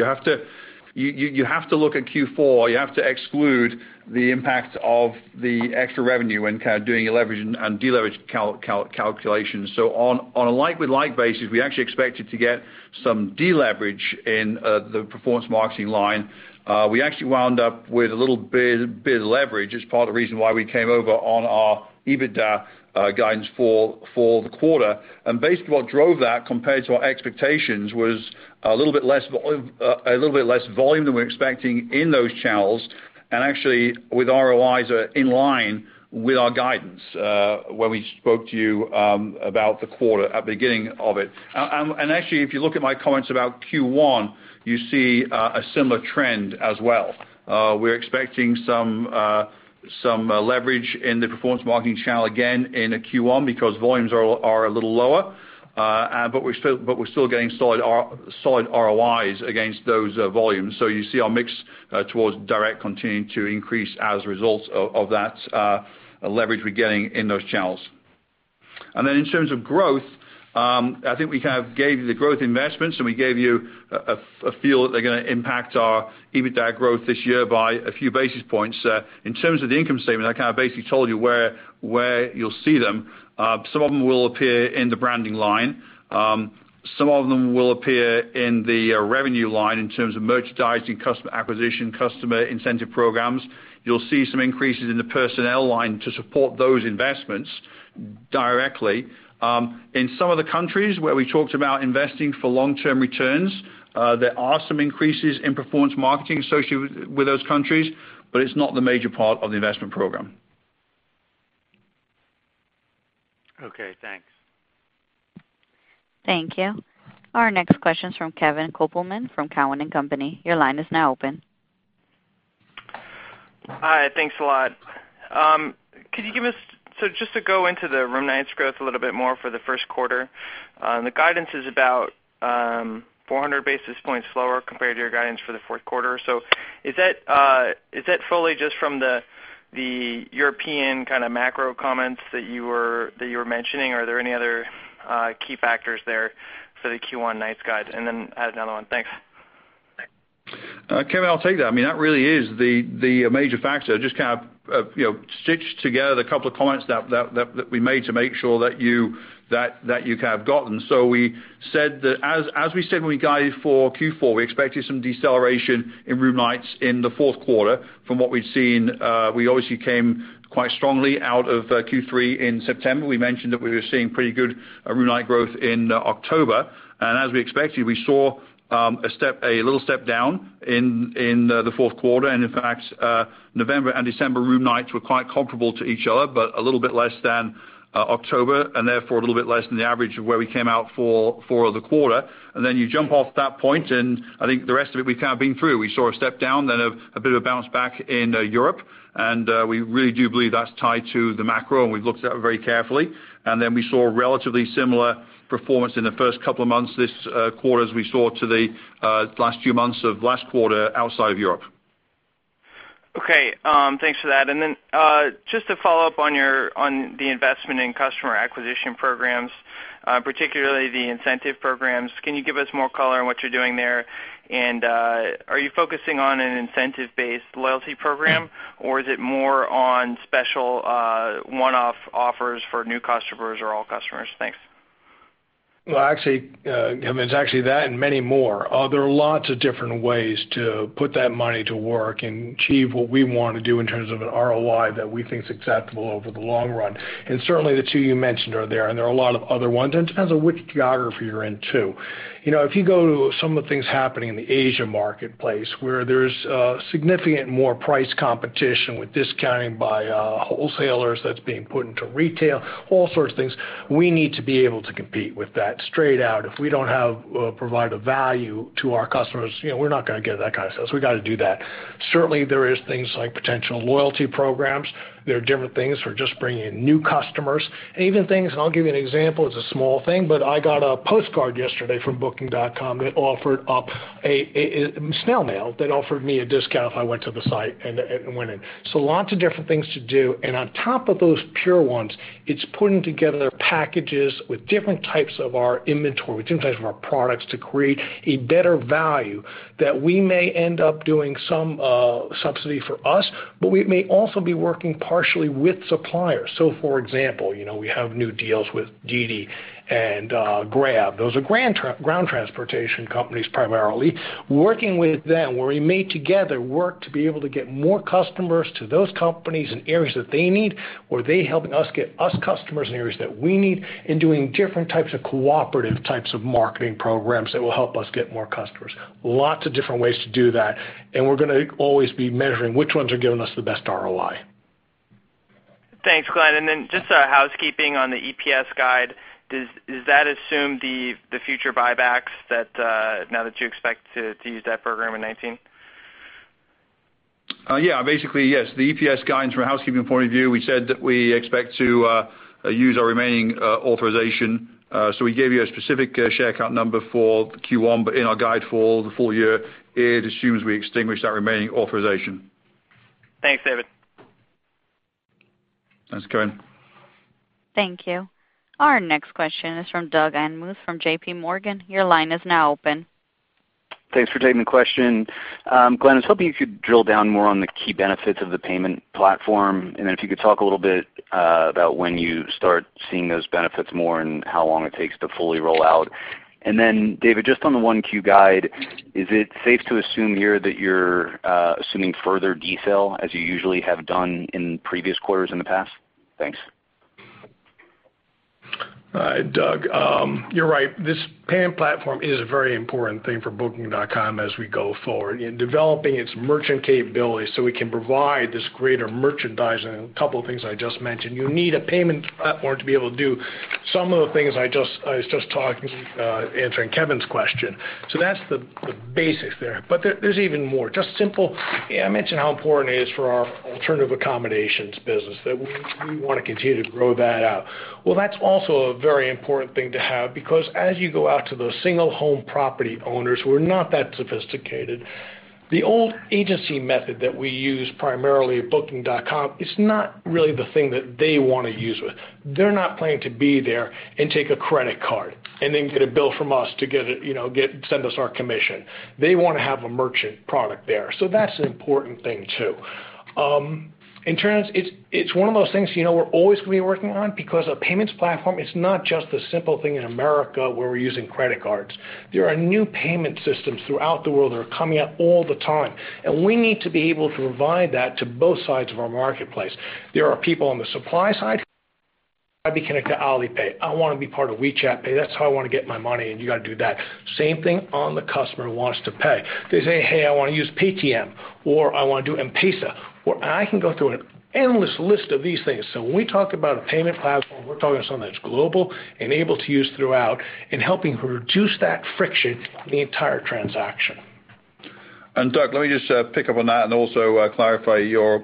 You have to look at Q4, you have to exclude the impact of the extra revenue when kind of doing your leverage and de-leverage calculations. On a like-with-like basis, we actually expected to get some de-leverage in the performance marketing line. We actually wound up with a little bit of leverage, as part of the reason why we came over on our EBITDA guidance for the quarter. What drove that compared to our expectations was a little bit less volume than we're expecting in those channels. With ROIs are in line with our guidance, when we spoke to you about the quarter at the beginning of it. If you look at my comments about Q1, you see a similar trend as well. We're expecting some leverage in the performance marketing channel again in Q1 because volumes are a little lower. We're still getting solid ROIs against those volumes. You see our mix towards direct continuing to increase as a result of that leverage we're getting in those channels. In terms of growth, I think we kind of gave you the growth investments, and we gave you a feel that they're going to impact our EBITDA growth this year by a few basis points. In terms of the income statement, I kind of basically told you where you'll see them. Some of them will appear in the branding line. Some of them will appear in the revenue line in terms of merchandising, customer acquisition, customer incentive programs. You'll see some increases in the personnel line to support those investments directly. In some of the countries where we talked about investing for long-term returns, there are some increases in performance marketing associated with those countries, but it's not the major part of the investment program. Okay, thanks. Thank you. Our next question is from Kevin Kopelman from Cowen and Company. Your line is now open. Thanks a lot. Just to go into the room nights growth a little bit more for the first quarter. The guidance is about 400 basis points lower compared to your guidance for the fourth quarter. Is that fully just from the European kind of macro comments that you were mentioning? Are there any other key factors there for the Q1 nights guide? Then I had another one. Thanks. Kevin, I'll take that. That really is the major factor. Just stitch together the couple of comments that we made to make sure that you have gotten. We said that as we said when we guided for Q4, we expected some deceleration in room nights in the fourth quarter from what we'd seen. We obviously came quite strongly out of Q3 in September. We mentioned that we were seeing pretty good room night growth in October, as we expected, we saw a little step down in the fourth quarter. In fact, November and December room nights were quite comparable to each other, but a little bit less than October, and therefore a little bit less than the average of where we came out for the quarter. Then you jump off that point, and I think the rest of it we've kind of been through. We saw a step down, then a bit of a bounce back in Europe. We really do believe that's tied to the macro, and we've looked at that very carefully. Then we saw relatively similar performance in the first couple of months this quarter as we saw to the last few months of last quarter outside of Europe. Okay, thanks for that. Then just to follow up on the investment in customer acquisition programs, particularly the incentive programs, can you give us more color on what you're doing there? Are you focusing on an incentive-based loyalty program, or is it more on special one-off offers for new customers or all customers? Thanks. Well, actually, Kevin, it's actually that and many more. There are lots of different ways to put that money to work and achieve what we want to do in terms of an ROI that we think is acceptable over the long run. Certainly, the two you mentioned are there, and there are a lot of other ones. It depends on which geography you're in, too. If you go to some of the things happening in the Asia marketplace, where there's significant more price competition with discounting by wholesalers that's being put into retail, all sorts of things, we need to be able to compete with that straight out. If we don't provide a value to our customers, we're not going to get that kind of sales. We got to do that. Certainly, there is things like potential loyalty programs. There are different things for just bringing in new customers. Even things, I'll give you an example, it's a small thing, but I got a postcard yesterday from Booking.com that offered up a snail mail, that offered me a discount if I went to the site and went in. Lots of different things to do. On top of those pure ones, it's putting together packages with different types of our inventory, with different types of our products to create a better value that we may end up doing some subsidy for us, but we may also be working partially with suppliers. For example, we have new deals with Didi and Grab. Those are ground transportation companies primarily. Working with them where we may together work to be able to get more customers to those companies in areas that they need, or they helping us get us customers in areas that we need, and doing different types of cooperative types of marketing programs that will help us get more customers. Lots of different ways to do that, and we're going to always be measuring which ones are giving us the best ROI. Thanks, Glenn. Then just a housekeeping on the EPS guide. Does that assume the future buybacks now that you expect to use that program in 2019? Yeah. Basically, yes. The EPS guidance from a housekeeping point of view, we said that we expect to use our remaining authorization. We gave you a specific share count number for Q1, but in our guide for the full year, it assumes we extinguish that remaining authorization. Thanks, David. Thanks, Kevin. Thank you. Our next question is from Doug Anmuth from J.P. Morgan. Your line is now open. Thanks for taking the question. Glenn, I was hoping if you could drill down more on the key benefits of the payment platform, if you could talk a little bit about when you start seeing those benefits more and how long it takes to fully roll out. Then David, just on the 1Q guide, is it safe to assume here that you're assuming further detail as you usually have done in previous quarters in the past? Thanks. Hi, Doug. You're right. This paying platform is a very important thing for Booking.com as we go forward in developing its merchant capabilities so we can provide this greater merchandising and a couple of things I just mentioned. You need a payment platform to be able to do some of the things I was just talking answering Kevin's question. That's the basics there. There's even more. Just simple, I mentioned how important it is for our alternative accommodations business, that we want to continue to grow that out. That's also a very important thing to have because as you go out to those single home property owners who are not that sophisticated, the old agency method that we use primarily at Booking.com is not really the thing that they want to use with. They're not planning to be there and take a credit card and then get a bill from us to send us our commission. They want to have a merchant product there. That's an important thing, too. It's one of those things we're always going to be working on because a payments platform is not just a simple thing in America where we're using credit cards. There are new payment systems throughout the world that are coming up all the time, and we need to be able to provide that to both sides of our marketplace. There are people on the supply side, "I'd be connected to Alipay. I want to be part of WeChat Pay. That's how I want to get my money, and you got to do that." Same thing on the customer who wants to pay. They say, "Hey, I want to use Paytm," or, "I want to do M-Pesa." I can go through an endless list of these things. When we talk about a payment platform, we're talking something that's global and able to use throughout in helping reduce that friction in the entire transaction. Doug, let me just pick up on that and also clarify your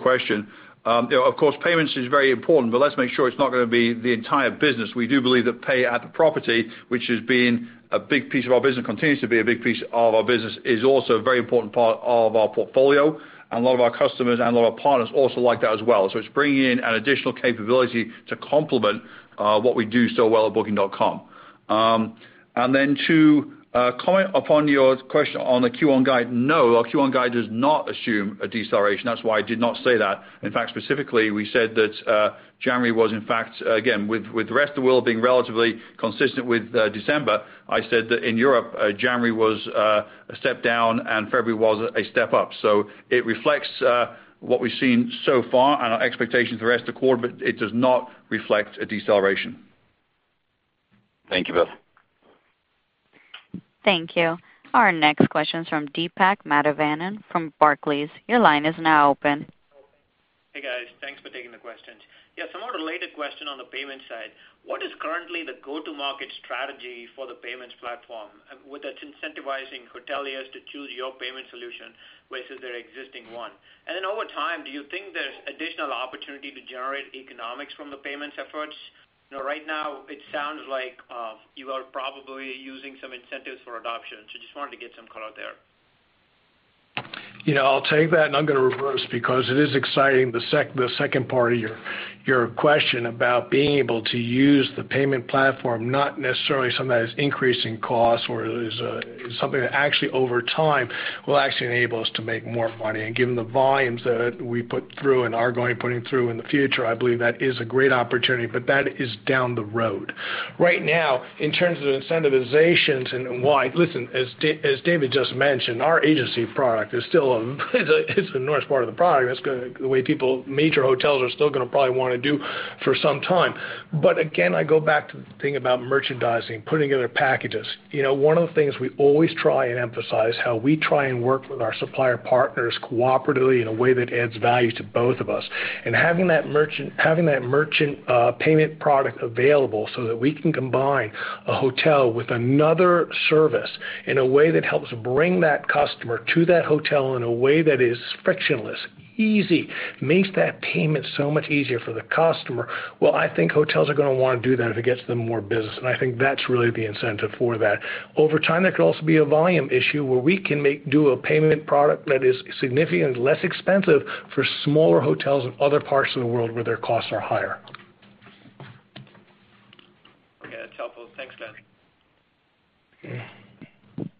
question. Of course, payments is very important, but let's make sure it's not going to be the entire business. We do believe that pay at the property, which has been a big piece of our business, continues to be a big piece of our business, is also a very important part of our portfolio. A lot of our customers and a lot of our partners also like that as well. It's bringing in an additional capability to complement what we do so well at Booking.com. To comment upon your question on the Q1 guide, no, our Q1 guide does not assume a deceleration. That's why I did not say that. In fact, specifically, we said that January was, in fact, again, with the rest of the world being relatively consistent with December, I said that in Europe, January was a step down and February was a step up. It reflects what we've seen so far and our expectations for the rest of the quarter, but it does not reflect a deceleration. Thank you, Bill. Thank you. Our next question is from Deepak Mathivanan from Barclays. Your line is now open. Somewhat a related question on the payment side. What is currently the go-to-market strategy for the payments platform? Would that incentivizing hoteliers to choose your payment solution versus their existing one? Over time, do you think there's additional opportunity to generate economics from the payments efforts? Right now, it sounds like you are probably using some incentives for adoption. Just wanted to get some color there. I'll take that, I'm going to reverse because it is exciting, the second part of your question about being able to use the payment platform, not necessarily something that is increasing costs or is something that actually over time will actually enable us to make more money. Given the volumes that we put through and are going putting through in the future, I believe that is a great opportunity, but that is down the road. Right now, in terms of the incentivizations and why, listen, as David just mentioned, our agency product, it's the largest part of the product. That's the way major hotels are still going to probably want to do for some time. Again, I go back to the thing about merchandising, putting together packages. One of the things we always try and emphasize how we try and work with our supplier partners cooperatively in a way that adds value to both of us. Having that merchant payment product available so that we can combine a hotel with another service in a way that helps bring that customer to that hotel in a way that is frictionless, easy, makes that payment so much easier for the customer. I think hotels are going to want to do that if it gets them more business, I think that's really the incentive for that. Over time, there could also be a volume issue where we can do a payment product that is significantly less expensive for smaller hotels in other parts of the world where their costs are higher. Okay, that's helpful. Thanks, Glenn.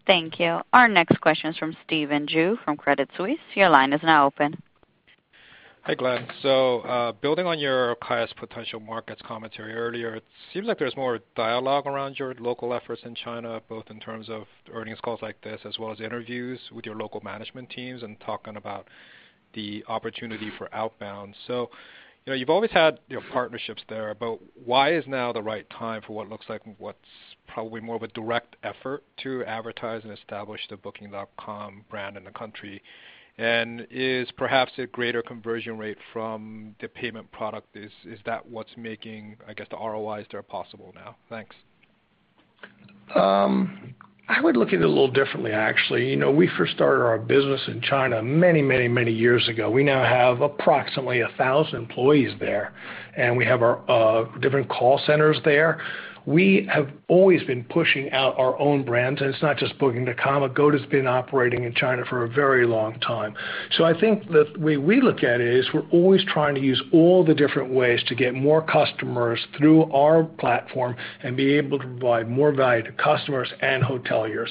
Thank you. Our next question is from Stephen Ju from Credit Suisse. Your line is now open. Hi, Glenn. Building on your highest potential markets commentary earlier, it seems like there's more dialogue around your local efforts in China, both in terms of earnings calls like this, as well as interviews with your local management teams and talking about the opportunity for outbound. You've always had your partnerships there, but why is now the right time for what looks like what's probably more of a direct effort to advertise and establish the Booking.com brand in the country? Is perhaps a greater conversion rate from the payment product, is that what's making, I guess, the ROIs there possible now? Thanks. I would look at it a little differently, actually. We first started our business in China many years ago. We now have approximately 1,000 employees there, and we have our different call centers there. We have always been pushing out our own brands, and it's not just booking.com. Agoda has been operating in China for a very long time. I think that the way we look at it is we're always trying to use all the different ways to get more customers through our platform and be able to provide more value to customers and hoteliers.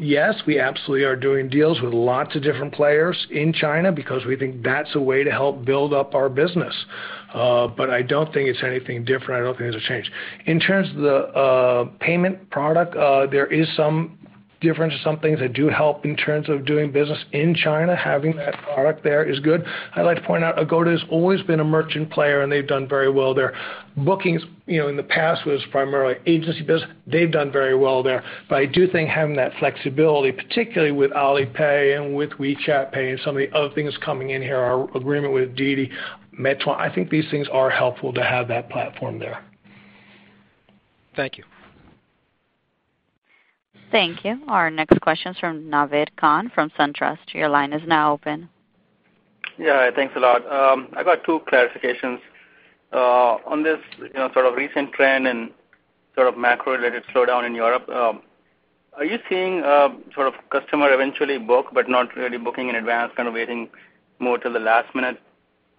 Yes, we absolutely are doing deals with lots of different players in China because we think that's a way to help build up our business. I don't think it's anything different. I don't think there's a change. In terms of the payment product, there is some difference or some things that do help in terms of doing business in China. Having that product there is good. I like to point out Agoda has always been a merchant player, and they've done very well there. Booking, in the past, was primarily agency business. They've done very well there. I do think having that flexibility, particularly with Alipay and with WeChat Pay and some of the other things coming in here, our agreement with Didi, Meituan, I think these things are helpful to have that platform there. Thank you. Thank you. Our next question is from Naved Khan from SunTrust. Your line is now open. Thanks a lot. I got two clarifications. On this recent trend and macro-related slowdown in Europe, are you seeing customer eventually book, but not really booking in advance, waiting more till the last minute?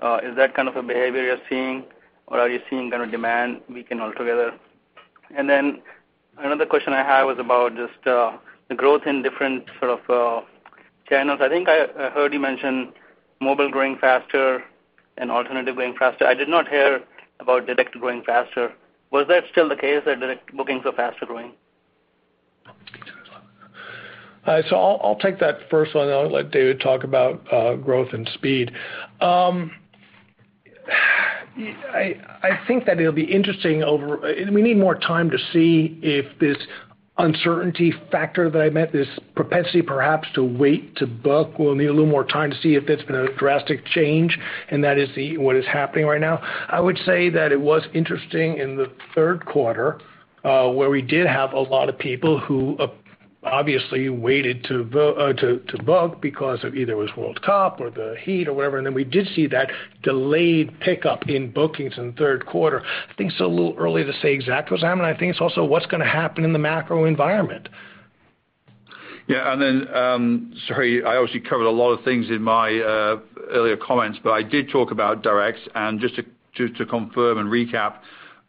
Is that a behavior you're seeing, or are you seeing demand weaken altogether? Another question I have is about just the growth in different channels. I think I heard you mention mobile growing faster and alternative growing faster. I did not hear about direct growing faster. Was that still the case, that direct bookings are faster growing? I'll take that first one, and I'll let David talk about growth and speed. I think that it'll be interesting. We need more time to see if this uncertainty factor that I meant, this propensity, perhaps, to wait to book, we'll need a little more time to see if it's been a drastic change, and that is what is happening right now. I would say that it was interesting in the third quarter, where we did have a lot of people who obviously waited to book because of either it was World Cup or the heat or whatever. We did see that delayed pickup in bookings in the third quarter. I think it's a little early to say exactly what's happening. I think it's also what's going to happen in the macro environment. Sorry, I obviously covered a lot of things in my earlier comments, but I did talk about direct. Just to confirm and recap,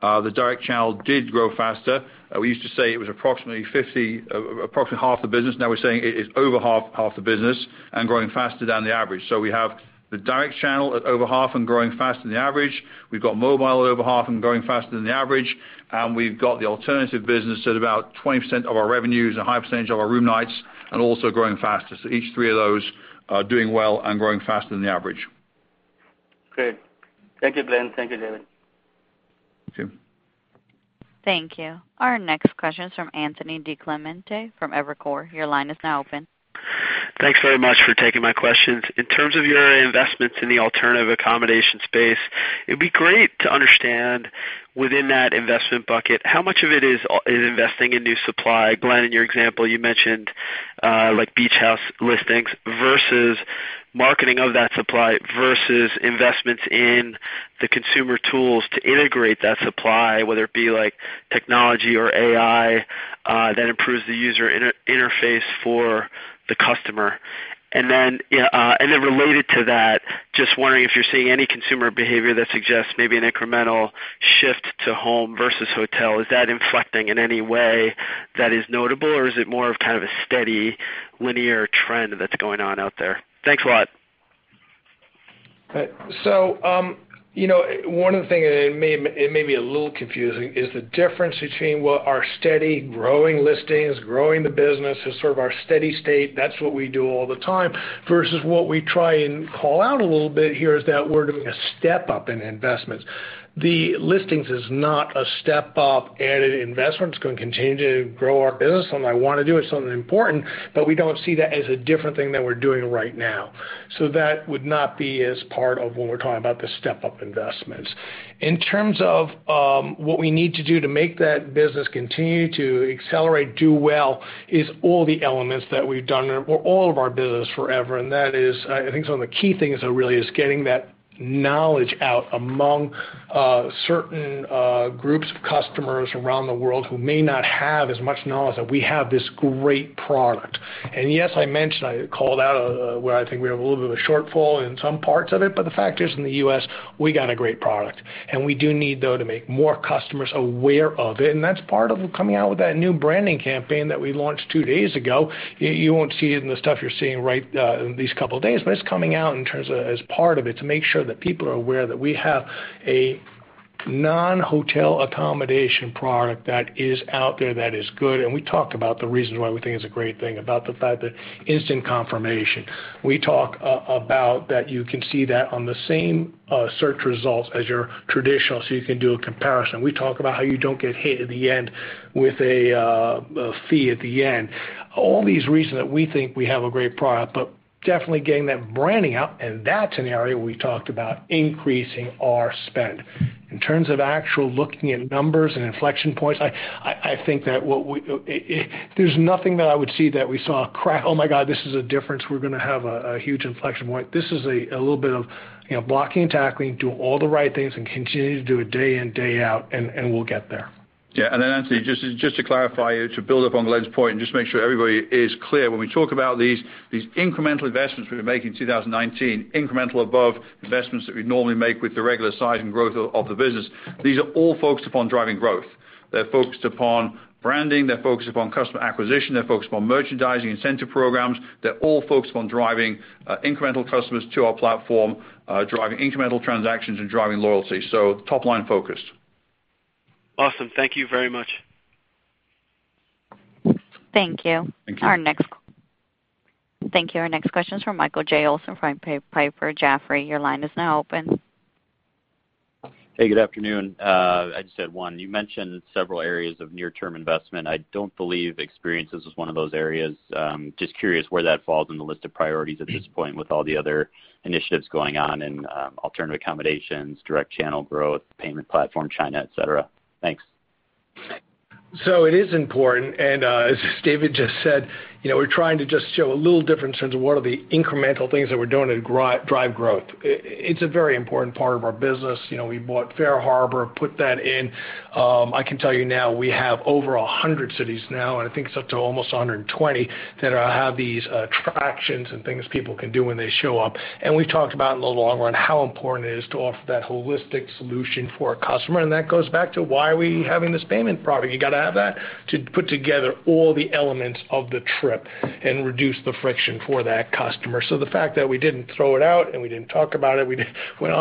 the direct channel did grow faster. We used to say it was approximately half the business. Now we're saying it is over half the business and growing faster than the average. We have the direct channel at over half and growing faster than the average. We've got mobile at over half and growing faster than the average. We've got the alternative business at about 20% of our revenues, a high percentage of our room nights, also growing faster. Each three of those are doing well and growing faster than the average. Great. Thank you, Glenn. Thank you, David. Thank you. Thank you. Our next question is from Anthony DiClemente from Evercore. Your line is now open. Thanks very much for taking my questions. In terms of your investments in the alternative accommodation space, it'd be great to understand within that investment bucket, how much of it is investing in new supply. Glenn, in your example, you mentioned beach house listings versus marketing of that supply versus investments in the consumer tools to integrate that supply, whether it be like technology or AI, that improves the user interface for the customer. Then related to that, just wondering if you're seeing any consumer behavior that suggests maybe an incremental shift to home versus hotel. Is that inflecting in any way that is notable, or is it more of a steady linear trend that's going on out there? Thanks a lot. One of the things, it may be a little confusing, is the difference between what our steady growing listings, growing the business as sort of our steady state. That's what we do all the time, versus what we try and call out a little bit here is that we're doing a step-up in investments. The listings is not a step-up added investment. It's going to continue to grow our business, something I want to do. It's something important, we don't see that as a different thing than we're doing right now. That would not be as part of when we're talking about the step-up investments. In terms of what we need to do to make that business continue to accelerate, do well, is all the elements that we've done or all of our business forever. That is, I think some of the key things are really is getting that knowledge out among certain groups of customers around the world who may not have as much knowledge that we have this great product. Yes, I mentioned, I called out where I think we have a little bit of a shortfall in some parts of it, but the fact is, in the U.S., we got a great product, and we do need, though, to make more customers aware of it, and that's part of coming out with that new branding campaign that we launched 2 days ago. You won't see it in the stuff you're seeing in these couple of days, but it's coming out as part of it to make sure that people are aware that we have a non-hotel accommodation product that is out there that is good. We talk about the reasons why we think it's a great thing about the fact that instant confirmation. We talk about that you can see that on the same search results as your traditional, so you can do a comparison. We talk about how you don't get hit at the end with a fee at the end. All these reasons that we think we have a great product. Definitely getting that branding out, and that's an area we talked about increasing our spend. In terms of actual looking at numbers and inflection points, I think that there's nothing that I would see that we saw, "Oh, my God, this is a difference. We're going to have a huge inflection point." This is a little bit of blocking and tackling, doing all the right things, and continuing to do it day in, day out, and we'll get there. Yeah. Then Anthony, just to clarify, to build up on Glenn's point and just make sure everybody is clear. When we talk about these incremental investments we've been making in 2019, incremental above investments that we'd normally make with the regular size and growth of the business, these are all focused upon driving growth. They're focused upon branding. They're focused upon customer acquisition. They're focused upon merchandising, incentive programs. They're all focused on driving incremental customers to our platform, driving incremental transactions, and driving loyalty. Top-line focused. Awesome. Thank you very much. Thank you. Thank you. Thank you. Our next question is from Michael J. Olson from Piper Jaffray. Your line is now open. Hey, good afternoon. I just had one. You mentioned several areas of near-term investment. I don't believe experiences is one of those areas. Just curious where that falls in the list of priorities at this point with all the other initiatives going on in alternative accommodations, direct channel growth, payment platform, China, et cetera. Thanks. It is important, and as David just said, we're trying to just show a little difference in terms of what are the incremental things that we're doing to drive growth. It's a very important part of our business. We bought FareHarbor, put that in. I can tell you now we have over 100 cities now, and I think it's up to almost 120 that have these attractions and things people can do when they show up. We've talked about in the long run how important it is to offer that holistic solution for a customer, and that goes back to why are we having this payment product. You got to have that to put together all the elements of the trip and reduce the friction for that customer. The fact that we didn't throw it out and we didn't talk about it, we went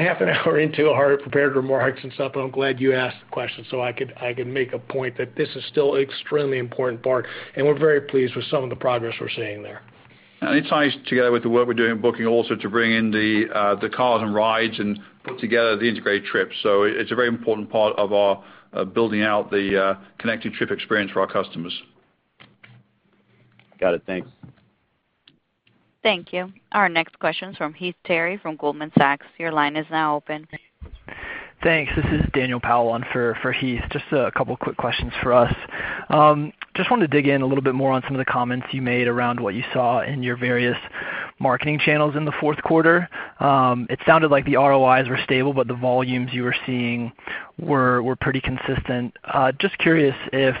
half an hour into our prepared remarks and stuff, I'm glad you asked the question so I could make a point that this is still extremely important part, and we're very pleased with some of the progress we're seeing there. It ties together with the work we're doing in Booking also to bring in the cars and rides and put together the integrated trip. It's a very important part of our building out the connected trip experience for our customers. Got it. Thanks. Thank you. Our next question is from Heath Terry from Goldman Sachs. Your line is now open. Thanks. This is Daniel Powell on for Heath. Just a couple quick questions for us. Just wanted to dig in a little bit more on some of the comments you made around what you saw in your various marketing channels in the fourth quarter. It sounded like the ROIs were stable, but the volumes you were seeing were pretty consistent. Just curious if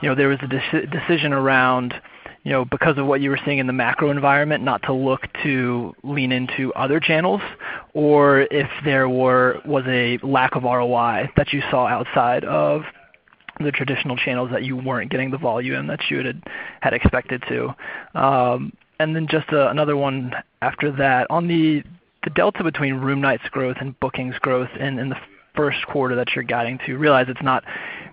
there was a decision around, because of what you were seeing in the macro environment, not to look to lean into other channels, or if there was a lack of ROI that you saw outside of the traditional channels that you weren't getting the volume that you had expected to. Then just another one after that. On the delta between room nights growth and bookings growth in the first quarter that you're guiding to, realize it's not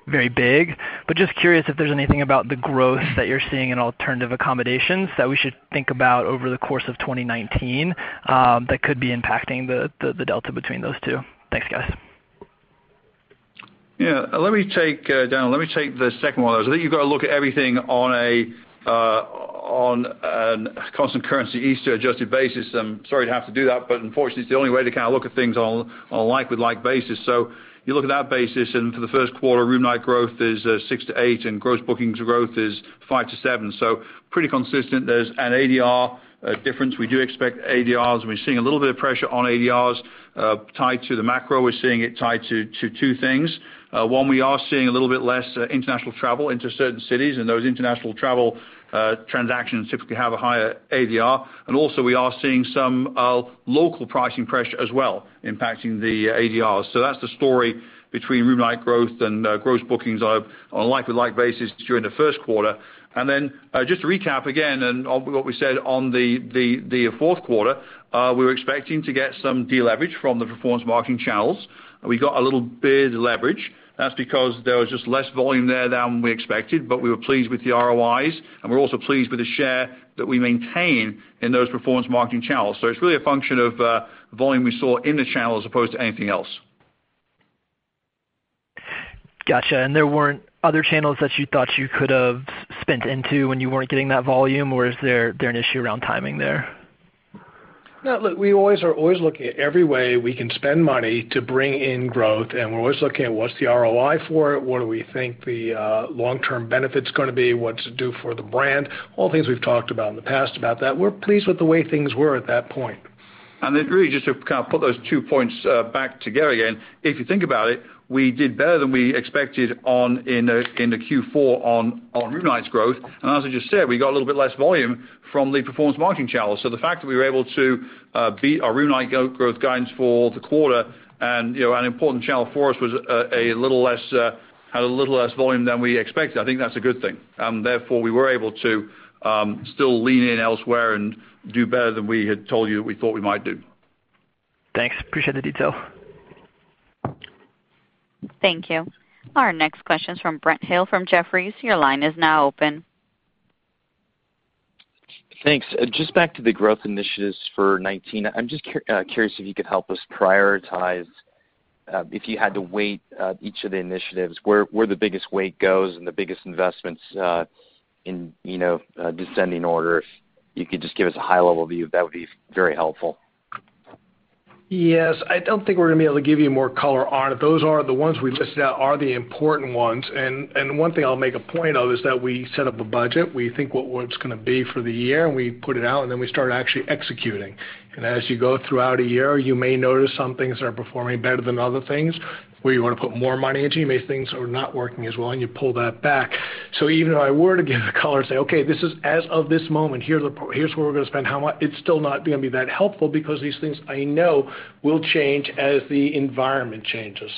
very big, but just curious if there's anything about the growth that you're seeing in alternative accommodations that we should think about over the course of 2019 that could be impacting the delta between those two. Thanks, guys. Yeah. Daniel, let me take the second one of those. I think you've got to look at everything on a constant currency Easter adjusted basis. I'm sorry to have to do that, but unfortunately, it's the only way to look at things on a like-with-like basis. You look at that basis, and for the first quarter, room night growth is 6%-8%, and gross bookings growth is 5%-7%. Pretty consistent. There's an ADR difference. We do expect ADRs, and we're seeing a little bit of pressure on ADRs tied to the macro. We're seeing it tied to two things. One, we are seeing a little bit less international travel into certain cities, and those international travel transactions typically have a higher ADR. Also we are seeing some local pricing pressure as well impacting the ADRs. That's the story between room night growth and gross bookings on a like-with-like basis during the first quarter. Just to recap again on what we said on the fourth quarter, we were expecting to get some de-leverage from the performance marketing channels. We got a little bit of leverage. That's because there was just less volume there than we expected, but we were pleased with the ROIs, and we're also pleased with the share that we maintain in those performance marketing channels. It's really a function of volume we saw in the channel as opposed to anything else. Got you. There weren't other channels that you thought you could have spent into when you weren't getting that volume, or is there an issue around timing there? No, look, we are always looking at every way we can spend money to bring in growth, and we're always looking at what's the ROI for it, what do we think the long-term benefit's going to be, what's it do for the brand, all things we've talked about in the past about that. We're pleased with the way things were at that point. Really just to put those two points back together again. If you think about it, we did better than we expected in the Q4 on room nights growth. As I just said, we got a little bit less volume from the performance marketing channels. The fact that we were able to beat our room night growth guidance for the quarter and an important channel for us had a little less volume than we expected, I think that's a good thing. Therefore, we were able to still lean in elsewhere and do better than we had told you we thought we might do. Thanks. Appreciate the detail. Thank you. Our next question is from Brent Thill from Jefferies. Your line is now open. Thanks. Just back to the growth initiatives for 2019. I'm just curious if you could help us prioritize, if you had to weight each of the initiatives, where the biggest weight goes and the biggest investments in descending order. If you could just give us a high-level view, that would be very helpful. Yes. I don't think we're going to be able to give you more color on it. The ones we listed out are the important ones. One thing I'll make a point of is that we set up a budget. We think what it's going to be for the year, and we put it out, and then we start actually executing. As you go throughout a year, you may notice some things are performing better than other things where you want to put more money into. You may see things are not working as well, and you pull that back. Even if I were to give a color and say, "Okay, as of this moment, here's where we're going to spend how much," it's still not going to be that helpful because these things I know will change as the environment changes.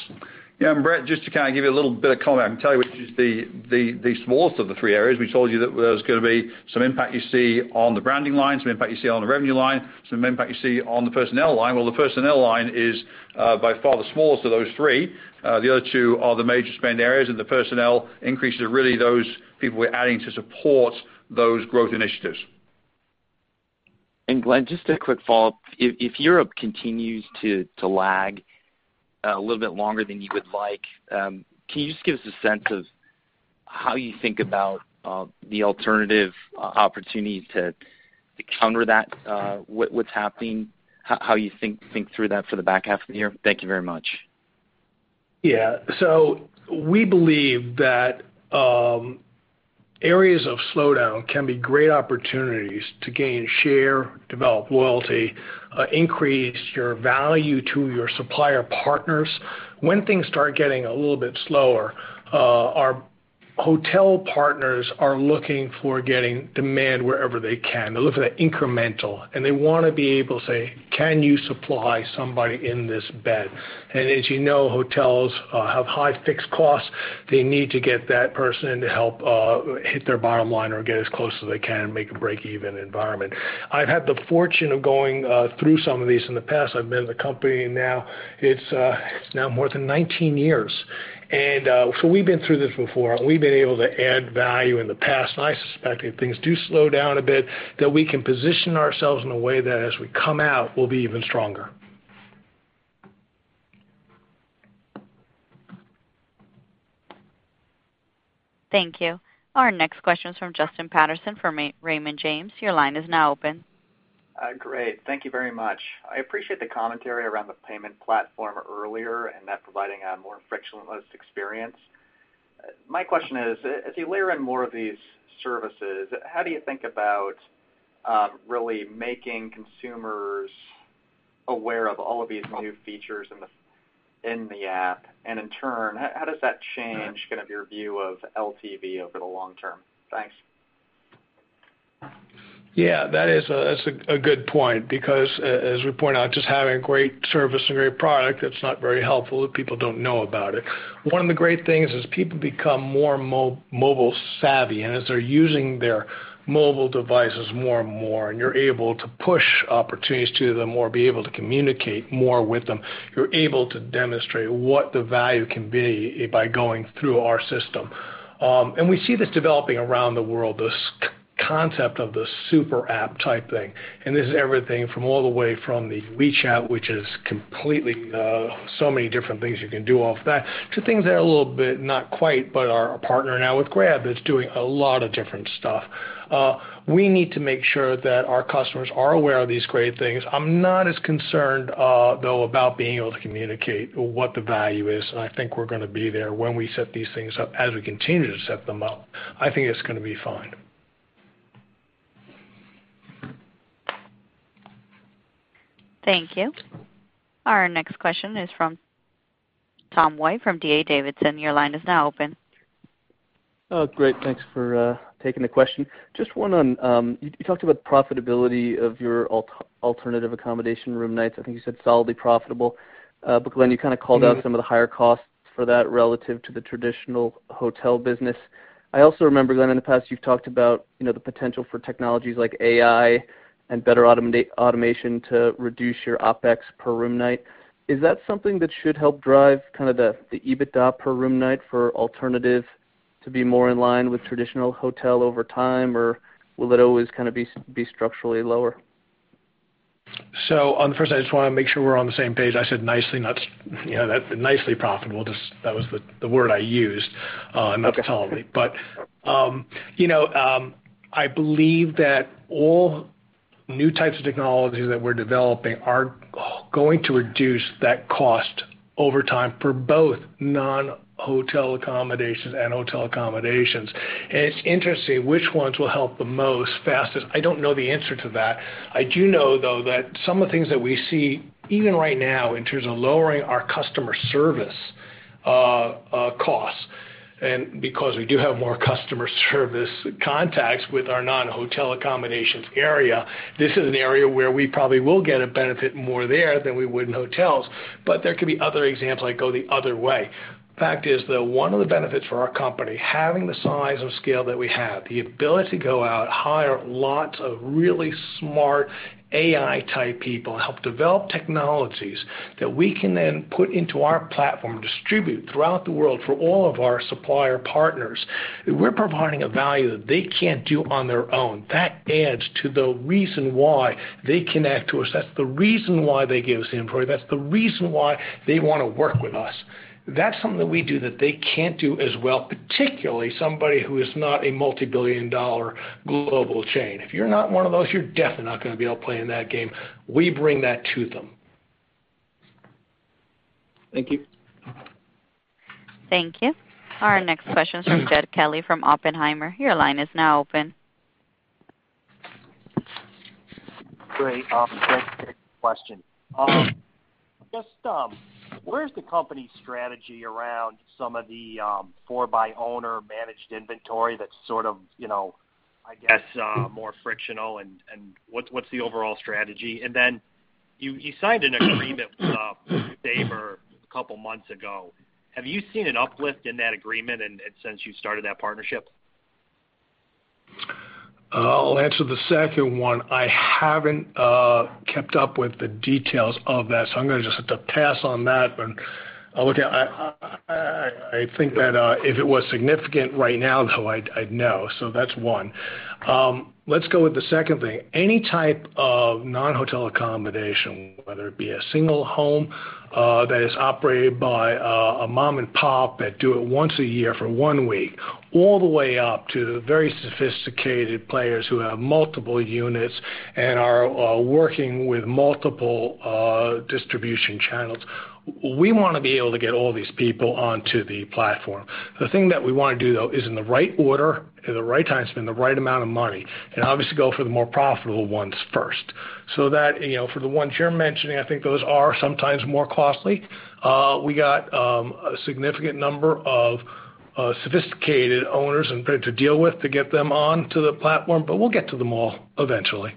Yeah. Brent, just to give you a little bit of color, I can tell you which is the smallest of the three areas. We told you that there's going to be some impact you see on the branding line, some impact you see on the revenue line, some impact you see on the personnel line. Well, the personnel line is by far the smallest of those three. The other two are the major spend areas, and the personnel increases are really those people we're adding to support those growth initiatives. Glenn, just a quick follow-up. If Europe continues to lag a little bit longer than you would like, can you just give us a sense of how you think about the alternative opportunities to counter what's happening, how you think through that for the back half of the year? Thank you very much. Yeah. We believe that areas of slowdown can be great opportunities to gain share, develop loyalty, increase your value to your supplier partners. When things start getting a little bit slower, our hotel partners are looking for getting demand wherever they can. They're looking for incremental, and they want to be able to say, "Can you supply somebody in this bed?" As you know, hotels have high fixed costs. They need to get that person to help hit their bottom line or get as close as they can and make a breakeven environment. I've had the fortune of going through some of these in the past. I've been with the company now more than 19 years. We've been through this before, and we've been able to add value in the past. I suspect if things do slow down a bit, that we can position ourselves in a way that as we come out, we'll be even stronger. Thank you. Our next question is from Justin Patterson from Raymond James. Your line is now open. Great. Thank you very much. I appreciate the commentary around the payment platform earlier and that providing a more frictionless experience. My question is, as you layer in more of these services, how do you think about really making consumers aware of all of these new features in the app? In turn, how does that change your view of LTV over the long term? Thanks. Yeah, that's a good point because, as we point out, just having a great service and great product, it's not very helpful if people don't know about it. One of the great things is people become more mobile savvy, as they're using their mobile devices more and more, and you're able to push opportunities to them or be able to communicate more with them, you're able to demonstrate what the value can be by going through our system. We see this developing around the world, this concept of the super app type thing, this is everything from all the way from the WeChat, which is completely so many different things you can do off that, to things that are a little bit not quite, but our partner now with Grab is doing a lot of different stuff. We need to make sure that our customers are aware of these great things. I'm not as concerned, though, about being able to communicate what the value is, I think we're going to be there when we set these things up, as we continue to set them up. I think it's going to be fine. Thank you. Our next question is from Tom White from D.A. Davidson. Your line is now open. Oh, great. Thanks for taking the question. Just one on, you talked about profitability of your alternative accommodation room nights. I think you said solidly profitable. Glenn, you kind of called out some of the higher costs for that relative to the traditional hotel business. I also remember, Glenn, in the past, you've talked about the potential for technologies like AI and better automation to reduce your OPEX per room night. Is that something that should help drive the EBITDA per room night for alternative to be more in line with traditional hotel over time, or will it always be structurally lower? On the first, I just want to make sure we're on the same page. I said nicely profitable, that was the word I used, not solidly. I believe that all new types of technologies that we're developing are going to reduce that cost over time for both non-hotel accommodations and hotel accommodations. It's interesting which ones will help the most fastest. I don't know the answer to that. I do know, though, that some of the things that we see even right now in terms of lowering our customer service costs, and because we do have more customer service contacts with our non-hotel accommodations area, this is an area where we probably will get a benefit more there than we would in hotels. There could be other examples that go the other way. Fact is that one of the benefits for our company, having the size and scale that we have, the ability to go out, hire lots of really smart AI type people, help develop technologies that we can then put into our platform, distribute throughout the world for all of our supplier partners. We're providing a value that they can't do on their own. That adds to the reason why they connect to us. That's the reason why they give us inventory. That's the reason why they want to work with us. That's something that we do that they can't do as well, particularly somebody who is not a multi-billion dollar global chain. If you're not one of those, you're definitely not going to be able to play in that game. We bring that to them. Thank you. Thank you. Our next question's from Jed Kelly from Oppenheimer. Your line is now open. Great. Thanks for taking the question. Just where is the company's strategy around some of the for by owner managed inventory that's sort of, I guess, more frictional, and what's the overall strategy? You signed an agreement with Sabre a couple of months ago. Have you seen an uplift in that agreement and since you started that partnership? I'll answer the second one. I haven't kept up with the details of that, so I'm going to just have to pass on that. I think that if it was significant right now, though, I'd know. That's one. Let's go with the second thing. Any type of non-hotel accommodation, whether it be a single home that is operated by a mom and pop that do it once a year for one week, all the way up to very sophisticated players who have multiple units and are working with multiple distribution channels. We want to be able to get all these people onto the platform. The thing that we want to do, though, is in the right order, at the right time, spend the right amount of money, and obviously go for the more profitable ones first. That for the ones you're mentioning, I think those are sometimes more costly. We got a significant number of sophisticated owners to deal with to get them onto the platform, but we'll get to them all eventually.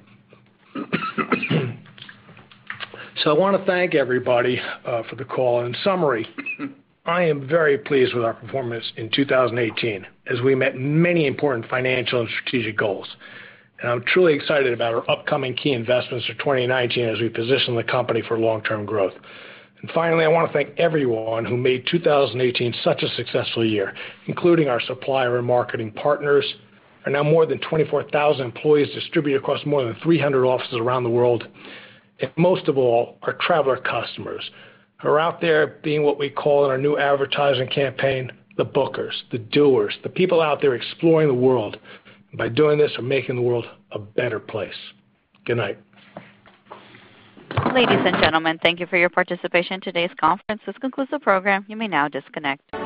I want to thank everybody for the call. In summary, I am very pleased with our performance in 2018 as we met many important financial and strategic goals. I'm truly excited about our upcoming key investments for 2019 as we position the company for long-term growth. Finally, I want to thank everyone who made 2018 such a successful year, including our supplier and marketing partners, and now more than 24,000 employees distributed across more than 300 offices around the world. Most of all, our traveler customers who are out there being what we call in our new advertising campaign, the bookers, the doers, the people out there exploring the world. By doing this, we're making the world a better place. Good night. Ladies and gentlemen, thank you for your participation in today's conference. This concludes the program. You may now disconnect.